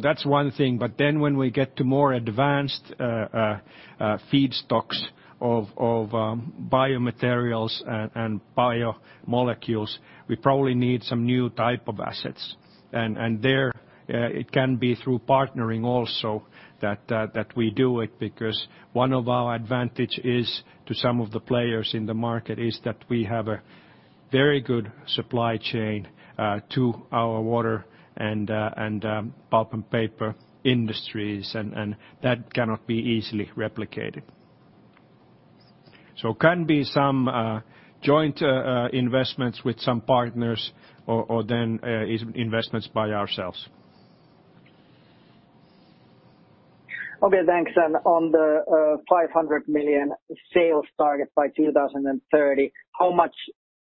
That's one thing. When we get to more advanced feedstocks of biomaterials and biomolecules, we probably need some new type of assets. There, it can be through partnering also that we do it because one of our advantage is to some of the players in the market is that we have a very good supply chain to our water and pulp and paper industries, and that cannot be easily replicated. It can be some joint investments with some partners or then investments by ourselves. Okay, thanks. On the 500 million sales target by 2030, how much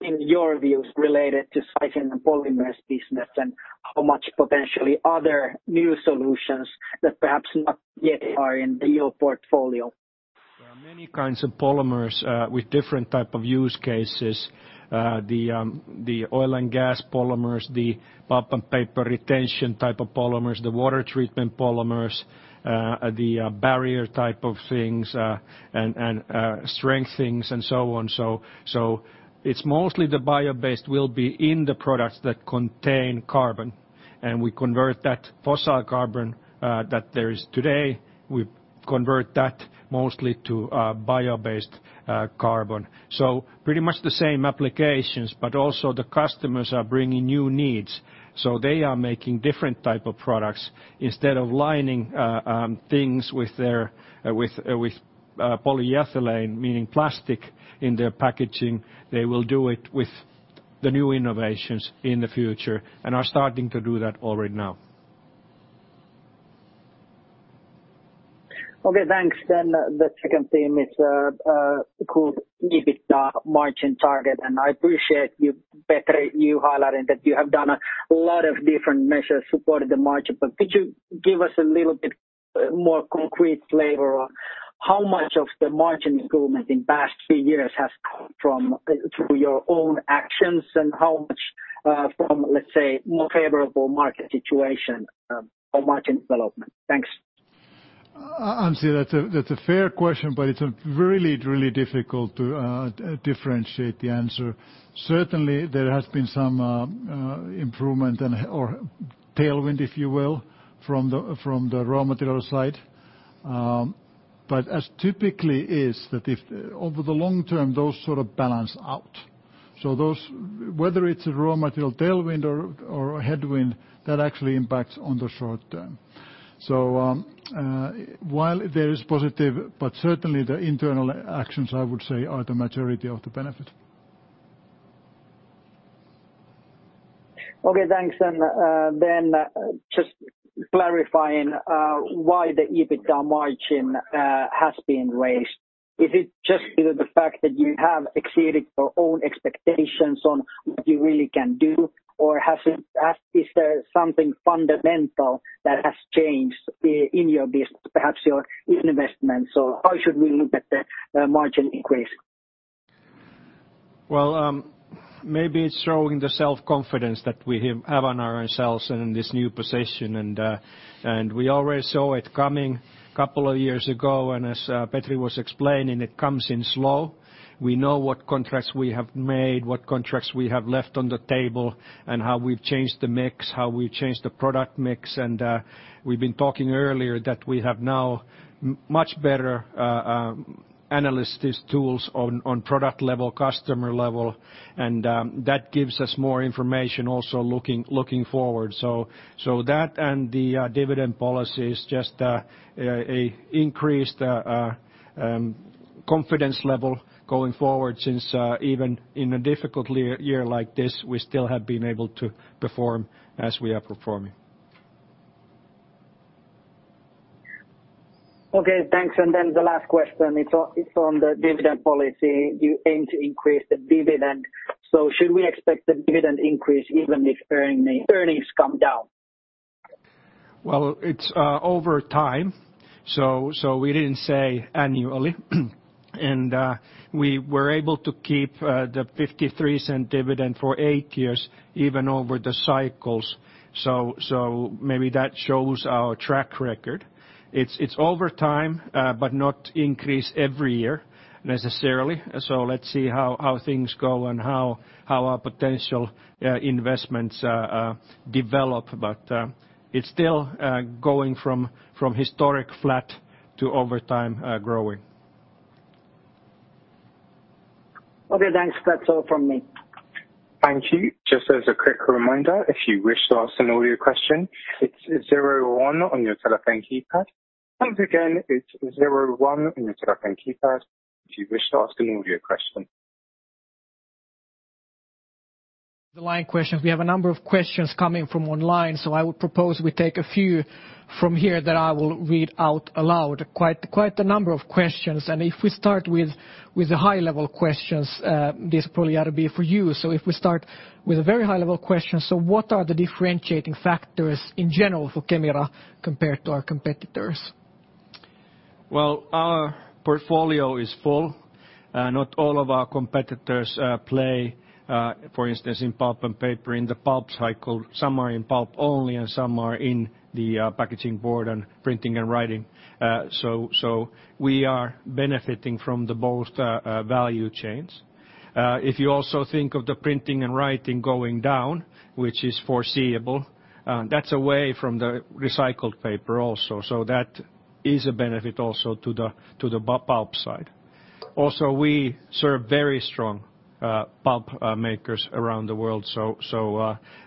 in your view is related to sizing the polymers business and how much potentially other new solutions that perhaps not yet are in your portfolio? There are many kinds of polymers with different type of use cases. The oil and gas polymers, the pulp and paper retention type of polymers, the water treatment polymers, the barrier type of things, and strength things and so on. It's mostly the bio-based will be in the products that contain carbon, and we convert that fossil carbon that there is today, we convert that mostly to bio-based carbon. Pretty much the same applications, but also the customers are bringing new needs. They are making different type of products. Instead of lining things with polyethylene, meaning plastic in their packaging, they will do it with the new innovations in the future and are starting to do that already now. Okay, thanks. The second theme is good EBITDA margin target, and I appreciate you, Petri, you highlighting that you have done a lot of different measures supporting the margin, but could you give us a little bit more concrete flavor on how much of the margin improvement in past few years has come through your own actions and how much from, let's say, more favorable market situation or margin development? Thanks. Anssi, that's a fair question, it's really difficult to differentiate the answer. Certainly, there has been some improvement or tailwind, if you will, from the raw material side. As typically is that if over the long term, those sort of balance out. Those, whether it's a raw material tailwind or a headwind, that actually impacts on the short term. While there is positive, but certainly the internal actions, I would say, are the majority of the benefit. Okay, thanks. Then just clarifying why the EBITDA margin has been raised. Is it just due to the fact that you have exceeded your own expectations on what you really can do? Is there something fundamental that has changed in your business, perhaps your investment? How should we look at the margin increase? Well, maybe it's showing the self-confidence that we have on ourselves and in this new position. We already saw it coming couple of years ago, and as Petri was explaining, it comes in slow. We know what contracts we have made, what contracts we have left on the table, and how we've changed the mix, how we've changed the product mix. We've been talking earlier that we have now much better analytics tools on product level, customer level, and that gives us more information also looking forward. That and the dividend policy is just increased confidence level going forward since even in a difficult year like this, we still have been able to perform as we are performing. Okay, thanks. The last question, it's on the dividend policy. You aim to increase the dividend, should we expect the dividend increase even if earnings come down? Well, it's over time, we didn't say annually. We were able to keep the 0.53 dividend for eight years, even over the cycles. Maybe that shows our track record. It's over time, not increase every year necessarily. Let's see how things go and how our potential investments develop. It's still going from historic flat to over time growing. Okay, thanks. That's all from me. Thank you. Just as a quick reminder, if you wish to ask an audio question, it's zero one on your telephone keypad. Once again, it's zero one on your telephone keypad if you wish to ask an audio question. The line questions. We have a number of questions coming from online, so I would propose we take a few from here that I will read out loud. Quite a number of questions. If we start with the high-level questions, this probably ought to be for you. If we start with a very high-level question. What are the differentiating factors in general for Kemira compared to our competitors? Well, our portfolio is full. Not all of our competitors play, for instance, in Pulp & Paper in the pulp cycle. Some are in pulp only, and some are in the packaging board and printing and writing. We are benefiting from both value chains. If you also think of the printing and writing going down, which is foreseeable, that's away from the recycled paper also. That is a benefit also to the pulp side. Also, we serve very strong pulp makers around the world.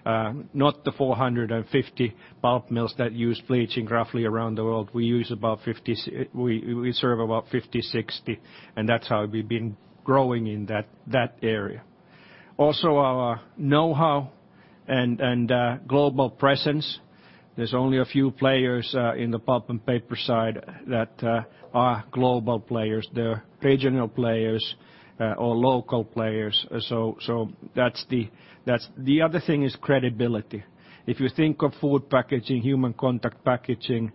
Not the 450 pulp mills that use bleaching roughly around the world. We serve about 50, 60, and that's how we've been growing in that area. Also, our knowhow and global presence. There's only a few players in the Pulp & Paper side that are global players. They're regional players or local players. The other thing is credibility. If you think of food packaging, human contact packaging,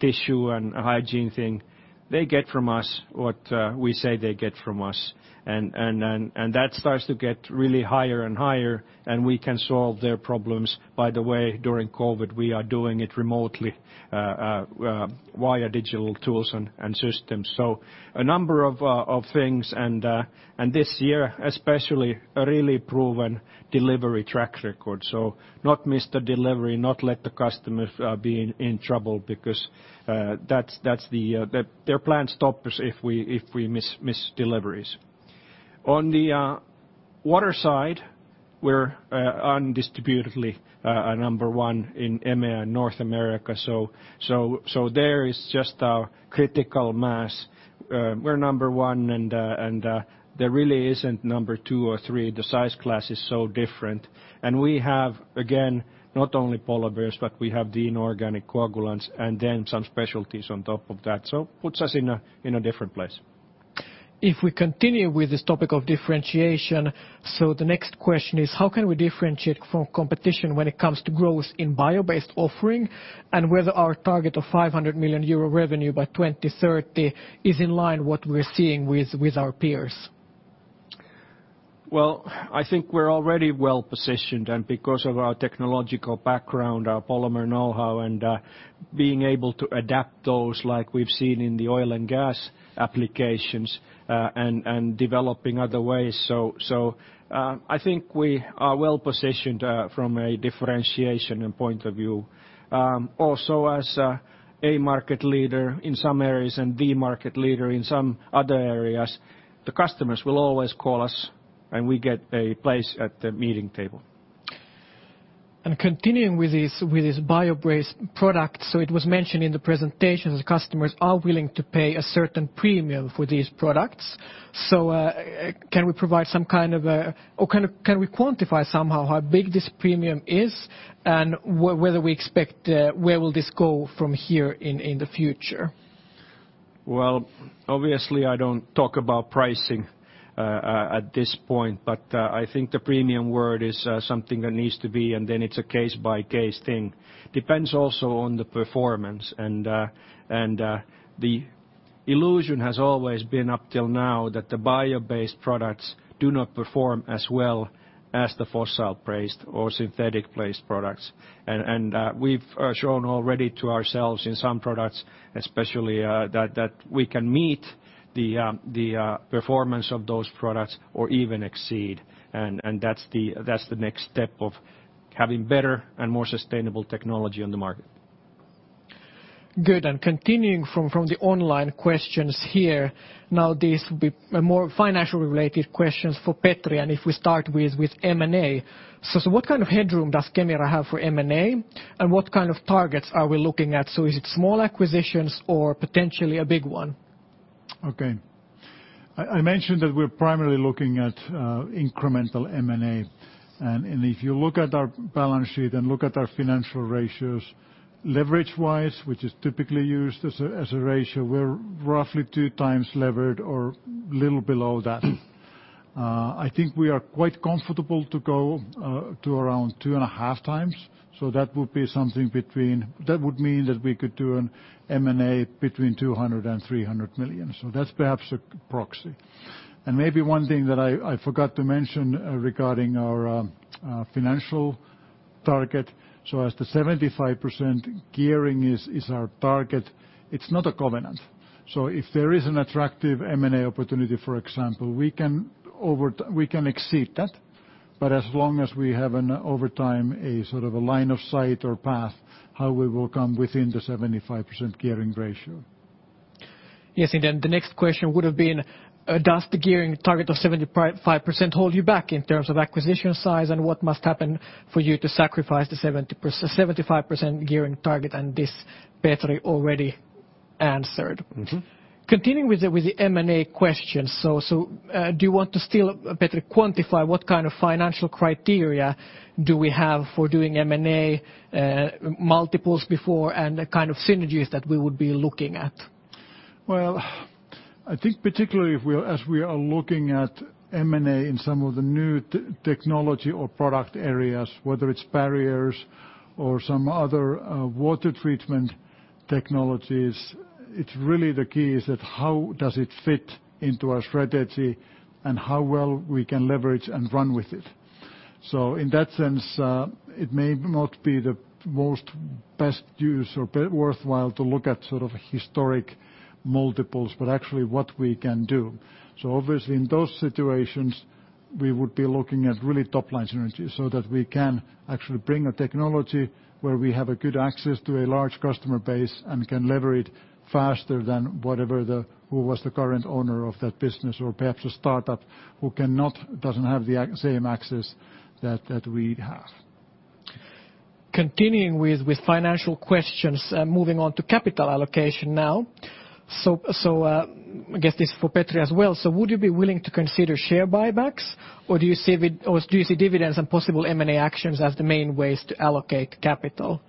tissue and hygiene thing, they get from us what we say they get from us. That starts to get really higher and higher and we can solve their problems. By the way, during COVID-19, we are doing it remotely via digital tools and systems. A number of things, and this year especially, a really proven delivery track record. Not miss the delivery, not let the customers be in trouble because their plant stops if we miss deliveries. On the water side, we're undisputedly number one in EMEA and North America, so there is just a critical mass. We're number one and there really isn't number two or three. The size class is so different. We have, again, not only polymers, but we have the inorganic coagulants and then some specialties on top of that. Puts us in a different place. If we continue with this topic of differentiation, the next question is, how can we differentiate from competition when it comes to growth in bio-based offering and whether our target of 500 million euro revenue by 2030 is in line what we're seeing with our peers? Well, I think we're already well-positioned, and because of our technological background, our polymer knowhow, and being able to adapt those like we've seen in the oil and gas applications, and developing other ways. I think we are well-positioned from a differentiation point of view. Also as a market leader in some areas and the market leader in some other areas, the customers will always call us, and we get a place at the meeting table. Continuing with this bio-based product. It was mentioned in the presentation that customers are willing to pay a certain premium for these products. Can we quantify somehow how big this premium is and whether we expect where will this go from here in the future? Well, obviously, I don't talk about pricing at this point. I think the premium word is something that needs to be, and then it's a case-by-case thing. Depends also on the performance. The illusion has always been up till now that the bio-based products do not perform as well as the fossil-based or synthetic-based products. We've shown already to ourselves in some products, especially that we can meet the performance of those products or even exceed, and that's the next step of having better and more sustainable technology on the market. Good, continuing from the online questions here. This will be a more financially related questions for Petri, if we start with M&A. What kind of headroom does Kemira have for M&A? What kind of targets are we looking at? Is it small acquisitions or potentially a big one? I mentioned that we're primarily looking at incremental M&A. If you look at our balance sheet and look at our financial ratios, leverage-wise, which is typically used as a ratio, we're roughly 2x levered or little below that. I think we are quite comfortable to go to around 2.5x. That would mean that we could do an M&A between 200 million-300 million. That's perhaps a proxy. Maybe one thing that I forgot to mention regarding our financial target. As the 75% gearing is our target, it's not a covenant. If there is an attractive M&A opportunity, for example, we can exceed that, but as long as we have an over time, a sort of a line of sight or path, how we will come within the 75% gearing ratio. Yes. The next question would've been, does the gearing target of 75% hold you back in terms of acquisition size? What must happen for you to sacrifice the 75% gearing target? This Petri already answered. Continuing with the M&A questions. Do you want to still, Petri, quantify what kind of financial criteria do we have for doing M&A, multiples before, and the kind of synergies that we would be looking at? I think particularly as we are looking at M&A in some of the new technology or product areas, whether it's barriers or some other water treatment technologies, it's really the key is that how does it fit into our strategy and how well we can leverage and run with it. In that sense, it may not be the most best use or worthwhile to look at sort of historic multiples, but actually what we can do. Obviously in those situations, we would be looking at really top-line synergy so that we can actually bring a technology where we have a good access to a large customer base and can lever it faster than whatever who was the current owner of that business or perhaps a startup who doesn't have the same access that we have. Continuing with financial questions, moving on to capital allocation now. I guess this is for Petri as well. Would you be willing to consider share buybacks, or do you see dividends and possible M&A actions as the main ways to allocate capital?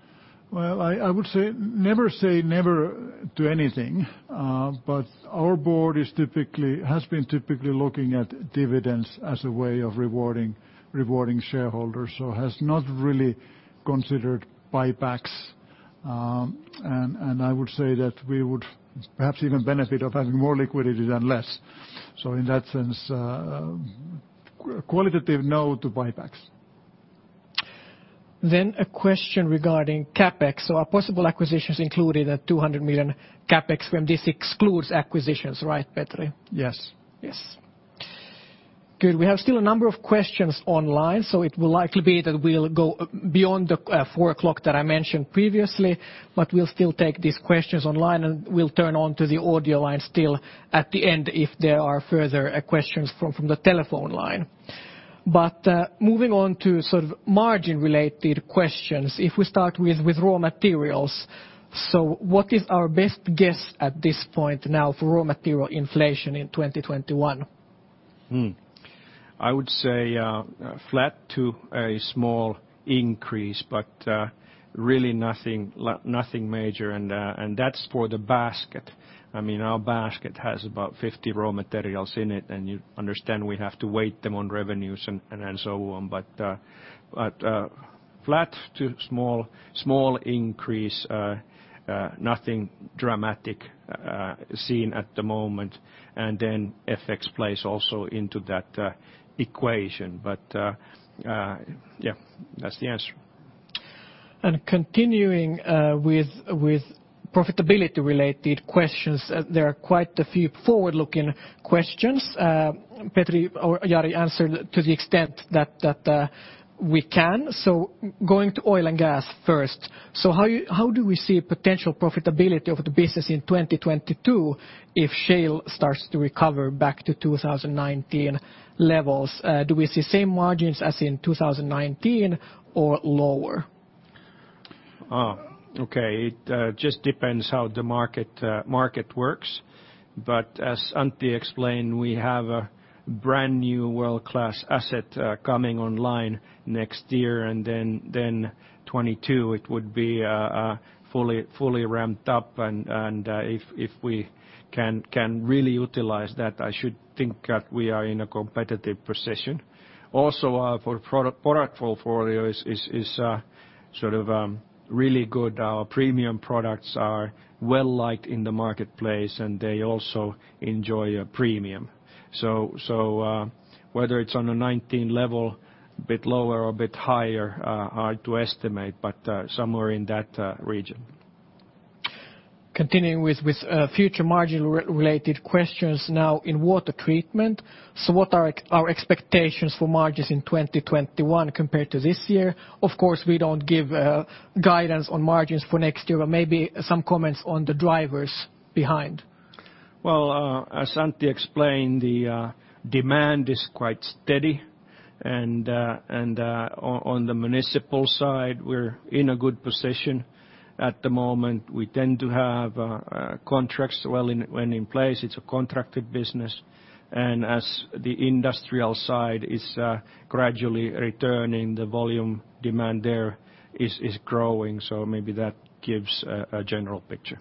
Well, I would say, never say never to anything. Our board has been typically looking at dividends as a way of rewarding shareholders. Has not really considered buybacks. I would say that we would perhaps even benefit of having more liquidity than less. In that sense, qualitative no to buybacks. A question regarding CapEx. Are possible acquisitions included at 200 million CapEx when this excludes acquisitions, right, Petri? Yes. Yes. Good. We have still a number of questions online, so it will likely be that we'll go beyond the 4:00 that I mentioned previously, but we'll still take these questions online, and we'll turn on to the audio line still at the end if there are further questions from the telephone line. Moving on to sort of margin-related questions. If we start with raw materials. What is our best guess at this point now for raw material inflation in 2021? I would say flat to a small increase, but really nothing major. That's for the basket. Our basket has about 50 raw materials in it, and you understand we have to weight them on revenues and so on. Flat to small increase, nothing dramatic seen at the moment. FX plays also into that equation. Yeah, that's the answer. Continuing with profitability-related questions, there are quite a few forward-looking questions. Petri or Jari answered to the extent that we can. Going to oil and gas first. How do we see potential profitability of the business in 2022 if shale starts to recover back to 2019 levels? Do we see same margins as in 2019 or lower? Okay. It just depends how the market works. As Antti explained, we have a brand-new world-class asset coming online next year, and then 2022 it would be fully ramped up. If we can really utilize that, I should think that we are in a competitive position. Also, our product portfolio is really good. Our premium products are well-liked in the marketplace, and they also enjoy a premium. Whether it's on a 2019 level, a bit lower or a bit higher, hard to estimate, but somewhere in that region. Continuing with future margin-related questions now in water treatment. What are our expectations for margins in 2021 compared to this year? Of course, we don't give guidance on margins for next year, but maybe some comments on the drivers behind. As Antti explained, the demand is quite steady, and on the municipal side, we're in a good position at the moment. We tend to have contracts when in place, it's a contracted business. As the industrial side is gradually returning, the volume demand there is growing. Maybe that gives a general picture.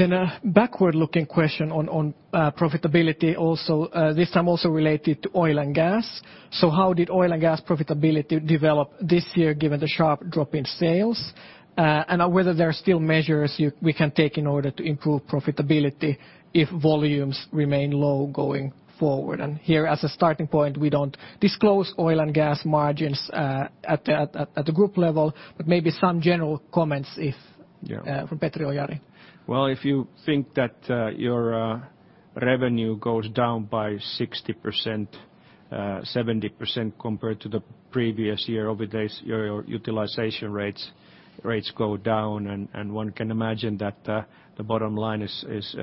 A backward-looking question on profitability also, this time also related to oil and gas. How did oil and gas profitability develop this year given the sharp drop in sales? Whether there are still measures we can take in order to improve profitability if volumes remain low going forward. Here, as a starting point, we don't disclose oil and gas margins at the group level, but maybe some general comments. Yeah. from Petri or Jari. If you think that your revenue goes down by 60%, 70% compared to the previous year, obviously your utilization rates go down, and one can imagine that the bottom line is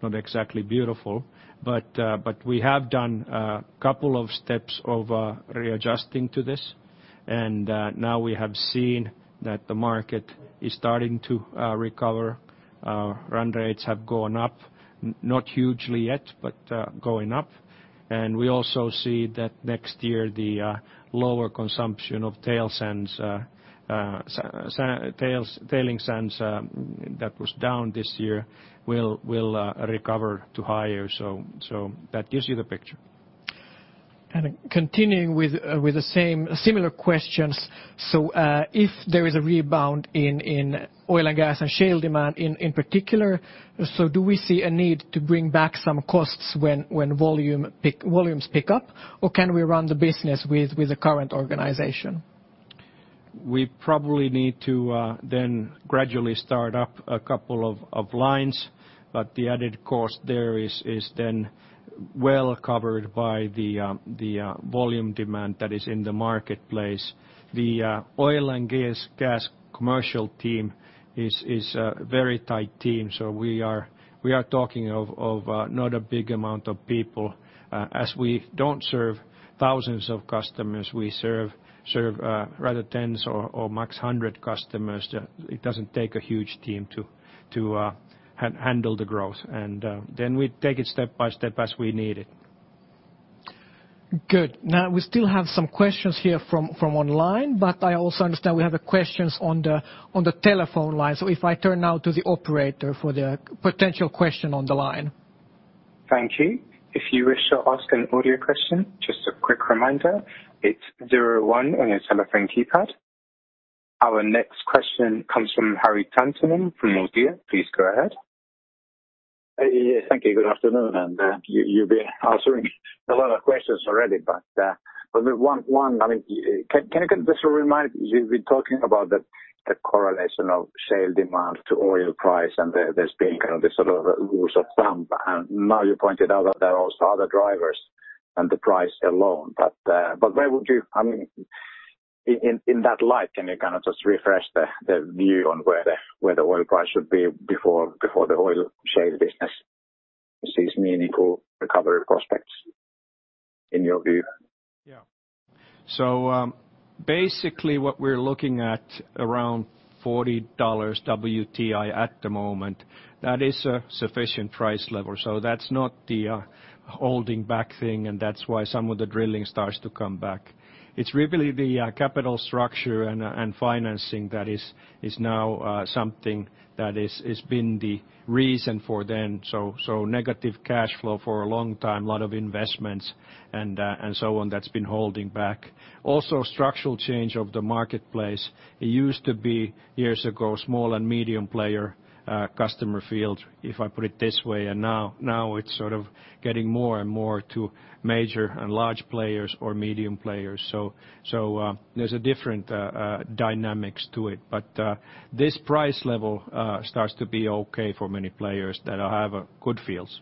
not exactly beautiful. We have done a couple of steps of readjusting to this, and now we have seen that the market is starting to recover. Run rates have gone up, not hugely yet, but going up. We also see that next year, the lower consumption of tailings sands that was down this year will recover to higher. That gives you the picture. Continuing with similar questions. If there is a rebound in oil and gas and shale demand in particular, do we see a need to bring back some costs when volumes pick up, or can we run the business with the current organization? We probably need to then gradually start up a couple of lines, but the added cost there is then well covered by the volume demand that is in the marketplace. The oil and gas commercial team is a very tight team, so we are talking of not a big amount of people. We don't serve thousands of customers, we serve rather tens or max 100 customers. It doesn't take a huge team to handle the growth. Then we take it step by step as we need it. Good. We still have some questions here from online, but I also understand we have questions on the telephone line. If I turn now to the operator for the potential question on the line. Thank you. If you wish to ask an audio question, just a quick reminder, it's zero one on your telephone keypad. Our next question comes from Harri Taittonen from Nordea. Please go ahead. Yeah, thank you. Good afternoon. You've been answering a lot of questions already, can you just remind, you've been talking about the correlation of shale demand to oil price, and there's been kind of this sort of rule of thumb. Now you pointed out that there are also other drivers than the price alone. In that light, can you kind of just refresh the view on where the oil price should be before the oil shale business sees meaningful recovery prospects in your view? Yeah. Basically what we're looking at around $40 WTI at the moment, that is a sufficient price level. That's not the holding back thing, and that's why some of the drilling starts to come back. It's really the capital structure and financing that is now something that has been the reason for them. Negative cash flow for a long time, lot of investments and so on, that's been holding back. Also, structural change of the marketplace. It used to be years ago, small and medium player, customer field, if I put it this way, and now it's sort of getting more and more to major and large players or medium players. This price level starts to be okay for many players that have good fields.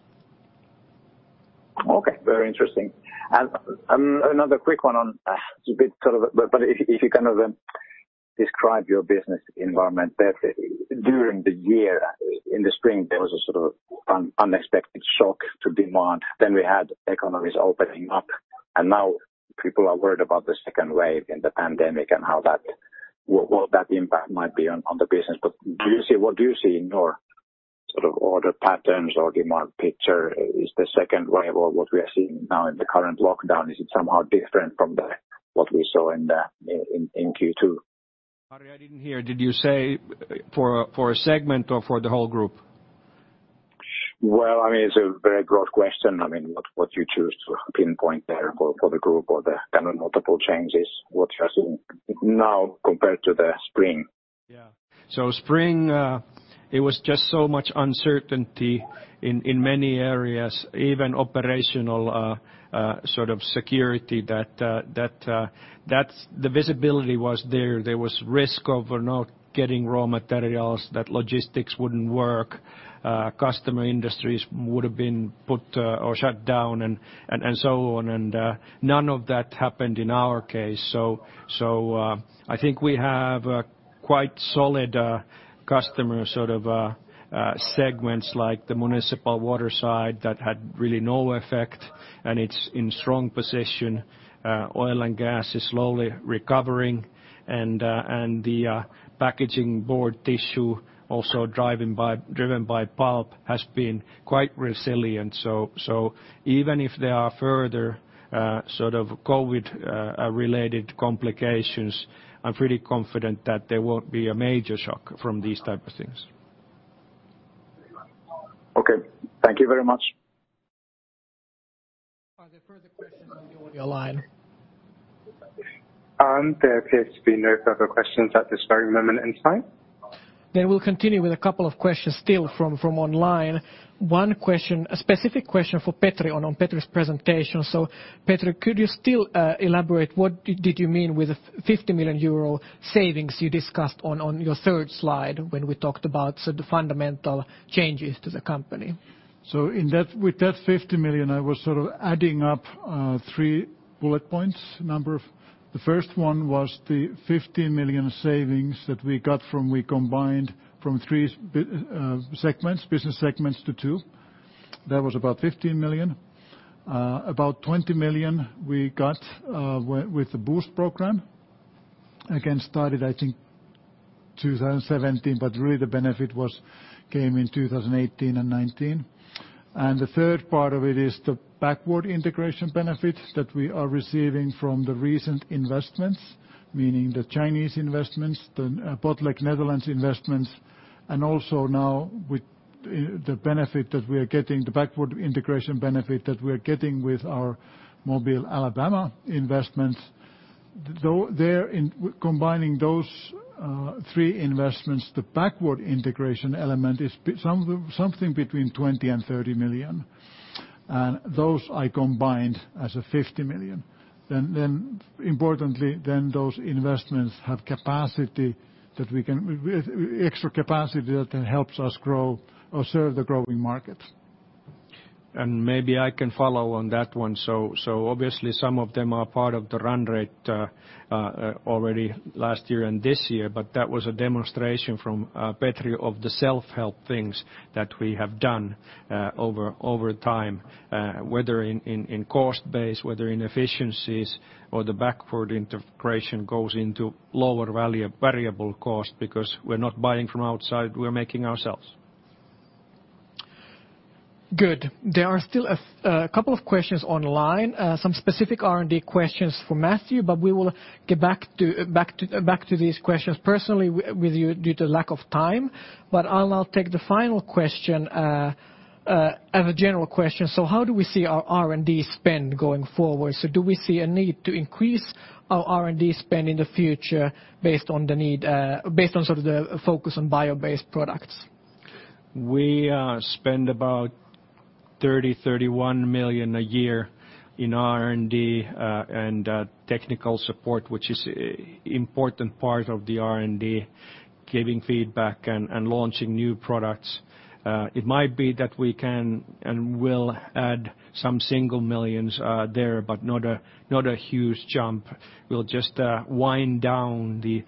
Okay. Very interesting. Another quick one. If you kind of describe your business environment there, during the year in the spring, there was a sort of unexpected shock to demand. We had economies opening up, and now people are worried about the second wave in the pandemic and what that impact might be on the business. What do you see in your sort of order patterns or demand picture? Is the second wave or what we are seeing now in the current lockdown, is it somehow different from what we saw in Q2? Harri, I didn't hear. Did you say for a segment or for the whole group? Well, it's a very broad question. What you choose to pinpoint there for the group or the kind of multiple changes, what you are seeing now compared to the spring? Yeah. Spring, it was just so much uncertainty in many areas, even operational security that the visibility was there. There was risk of not getting raw materials, that logistics wouldn't work, customer industries would've been put or shut down and so on, and none of that happened in our case. I think we have quite solid customer sort of segments like the municipal water side that had really no effect, and it's in strong position. Oil and gas is slowly recovering. The packaging board tissue also driven by pulp has been quite resilient. Even if there are further sort of COVID-related complications, I'm pretty confident that there won't be a major shock from these type of things. Okay. Thank you very much. Are there further questions on the audio line? There appears to be no further questions at this very moment in time. We'll continue with a couple of questions still from online. One question, a specific question for Petri on Petri's presentation. Petri, could you still elaborate what did you mean with the 50 million euro savings you discussed on your third slide when we talked about the fundamental changes to the company? With that 50 million, I was sort of adding up three bullet points. The first one was the 15 million savings that we got from we combined from three business segments to two. That was about 15 million. About 20 million we got with the Boost program. Again, started I think 2017, but really the benefit came in 2018 and 2019. The third part of it is the backward integration benefits that we are receiving from the recent investments, meaning the Chinese investments, the Botlek Netherlands investments, and also now with the backward integration benefit that we're getting with our Mobile, Alabama investments. Combining those three investments, the backward integration element is something between 20 million and 30 million, and those I combined as a 50 million. Importantly, then those investments have extra capacity that helps us grow or serve the growing markets. Maybe I can follow on that one. Obviously some of them are part of the run rate already last year and this year. That was a demonstration from Petri of the self-help things that we have done over time, whether in cost base, whether in efficiencies or the backward integration goes into lower variable cost because we're not buying from outside, we're making ourselves. Good. There are still a couple of questions online. Some specific R&D questions for Matthew, but we will get back to these questions personally with you due to lack of time. I'll now take the final question, as a general question. How do we see our R&D spend going forward? Do we see a need to increase our R&D spend in the future based on sort of the focus on bio-based products? We spend about 30 million, 31 million a year in R&D, and technical support, which is important part of the R&D, giving feedback and launching new products. It might be that we can and will add some single millions there, but not a huge jump. We'll just wind down the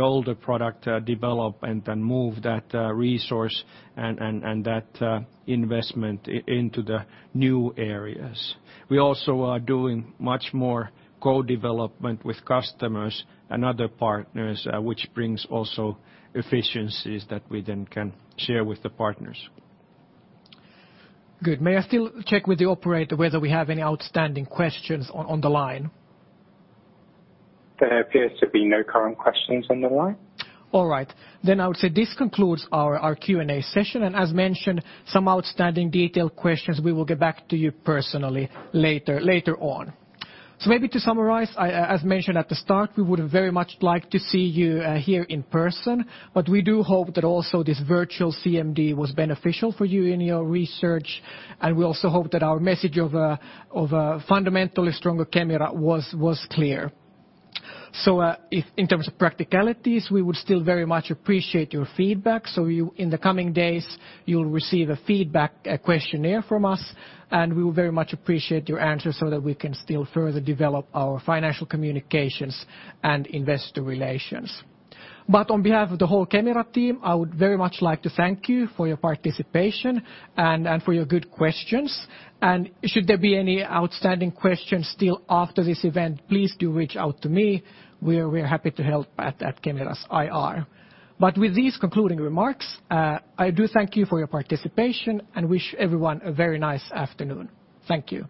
older product development and move that resource and that investment into the new areas. We also are doing much more co-development with customers and other partners, which brings also efficiencies that we then can share with the partners. Good. May I still check with the operator whether we have any outstanding questions on the line? There appears to be no current questions on the line. All right. I would say this concludes our Q&A session, and as mentioned, some outstanding detailed questions we will get back to you personally later on. Maybe to summarize, as mentioned at the start, we would very much like to see you here in person, but we do hope that also this virtual CMD was beneficial for you in your research, and we also hope that our message of a fundamentally stronger Kemira was clear. In terms of practicalities, we would still very much appreciate your feedback. In the coming days, you'll receive a feedback questionnaire from us, and we would very much appreciate your answers so that we can still further develop our financial communications and investor relations. On behalf of the whole Kemira team, I would very much like to thank you for your participation and for your good questions. Should there be any outstanding questions still after this event, please do reach out to me. We are happy to help at Kemira's IR. With these concluding remarks, I do thank you for your participation and wish everyone a very nice afternoon. Thank you.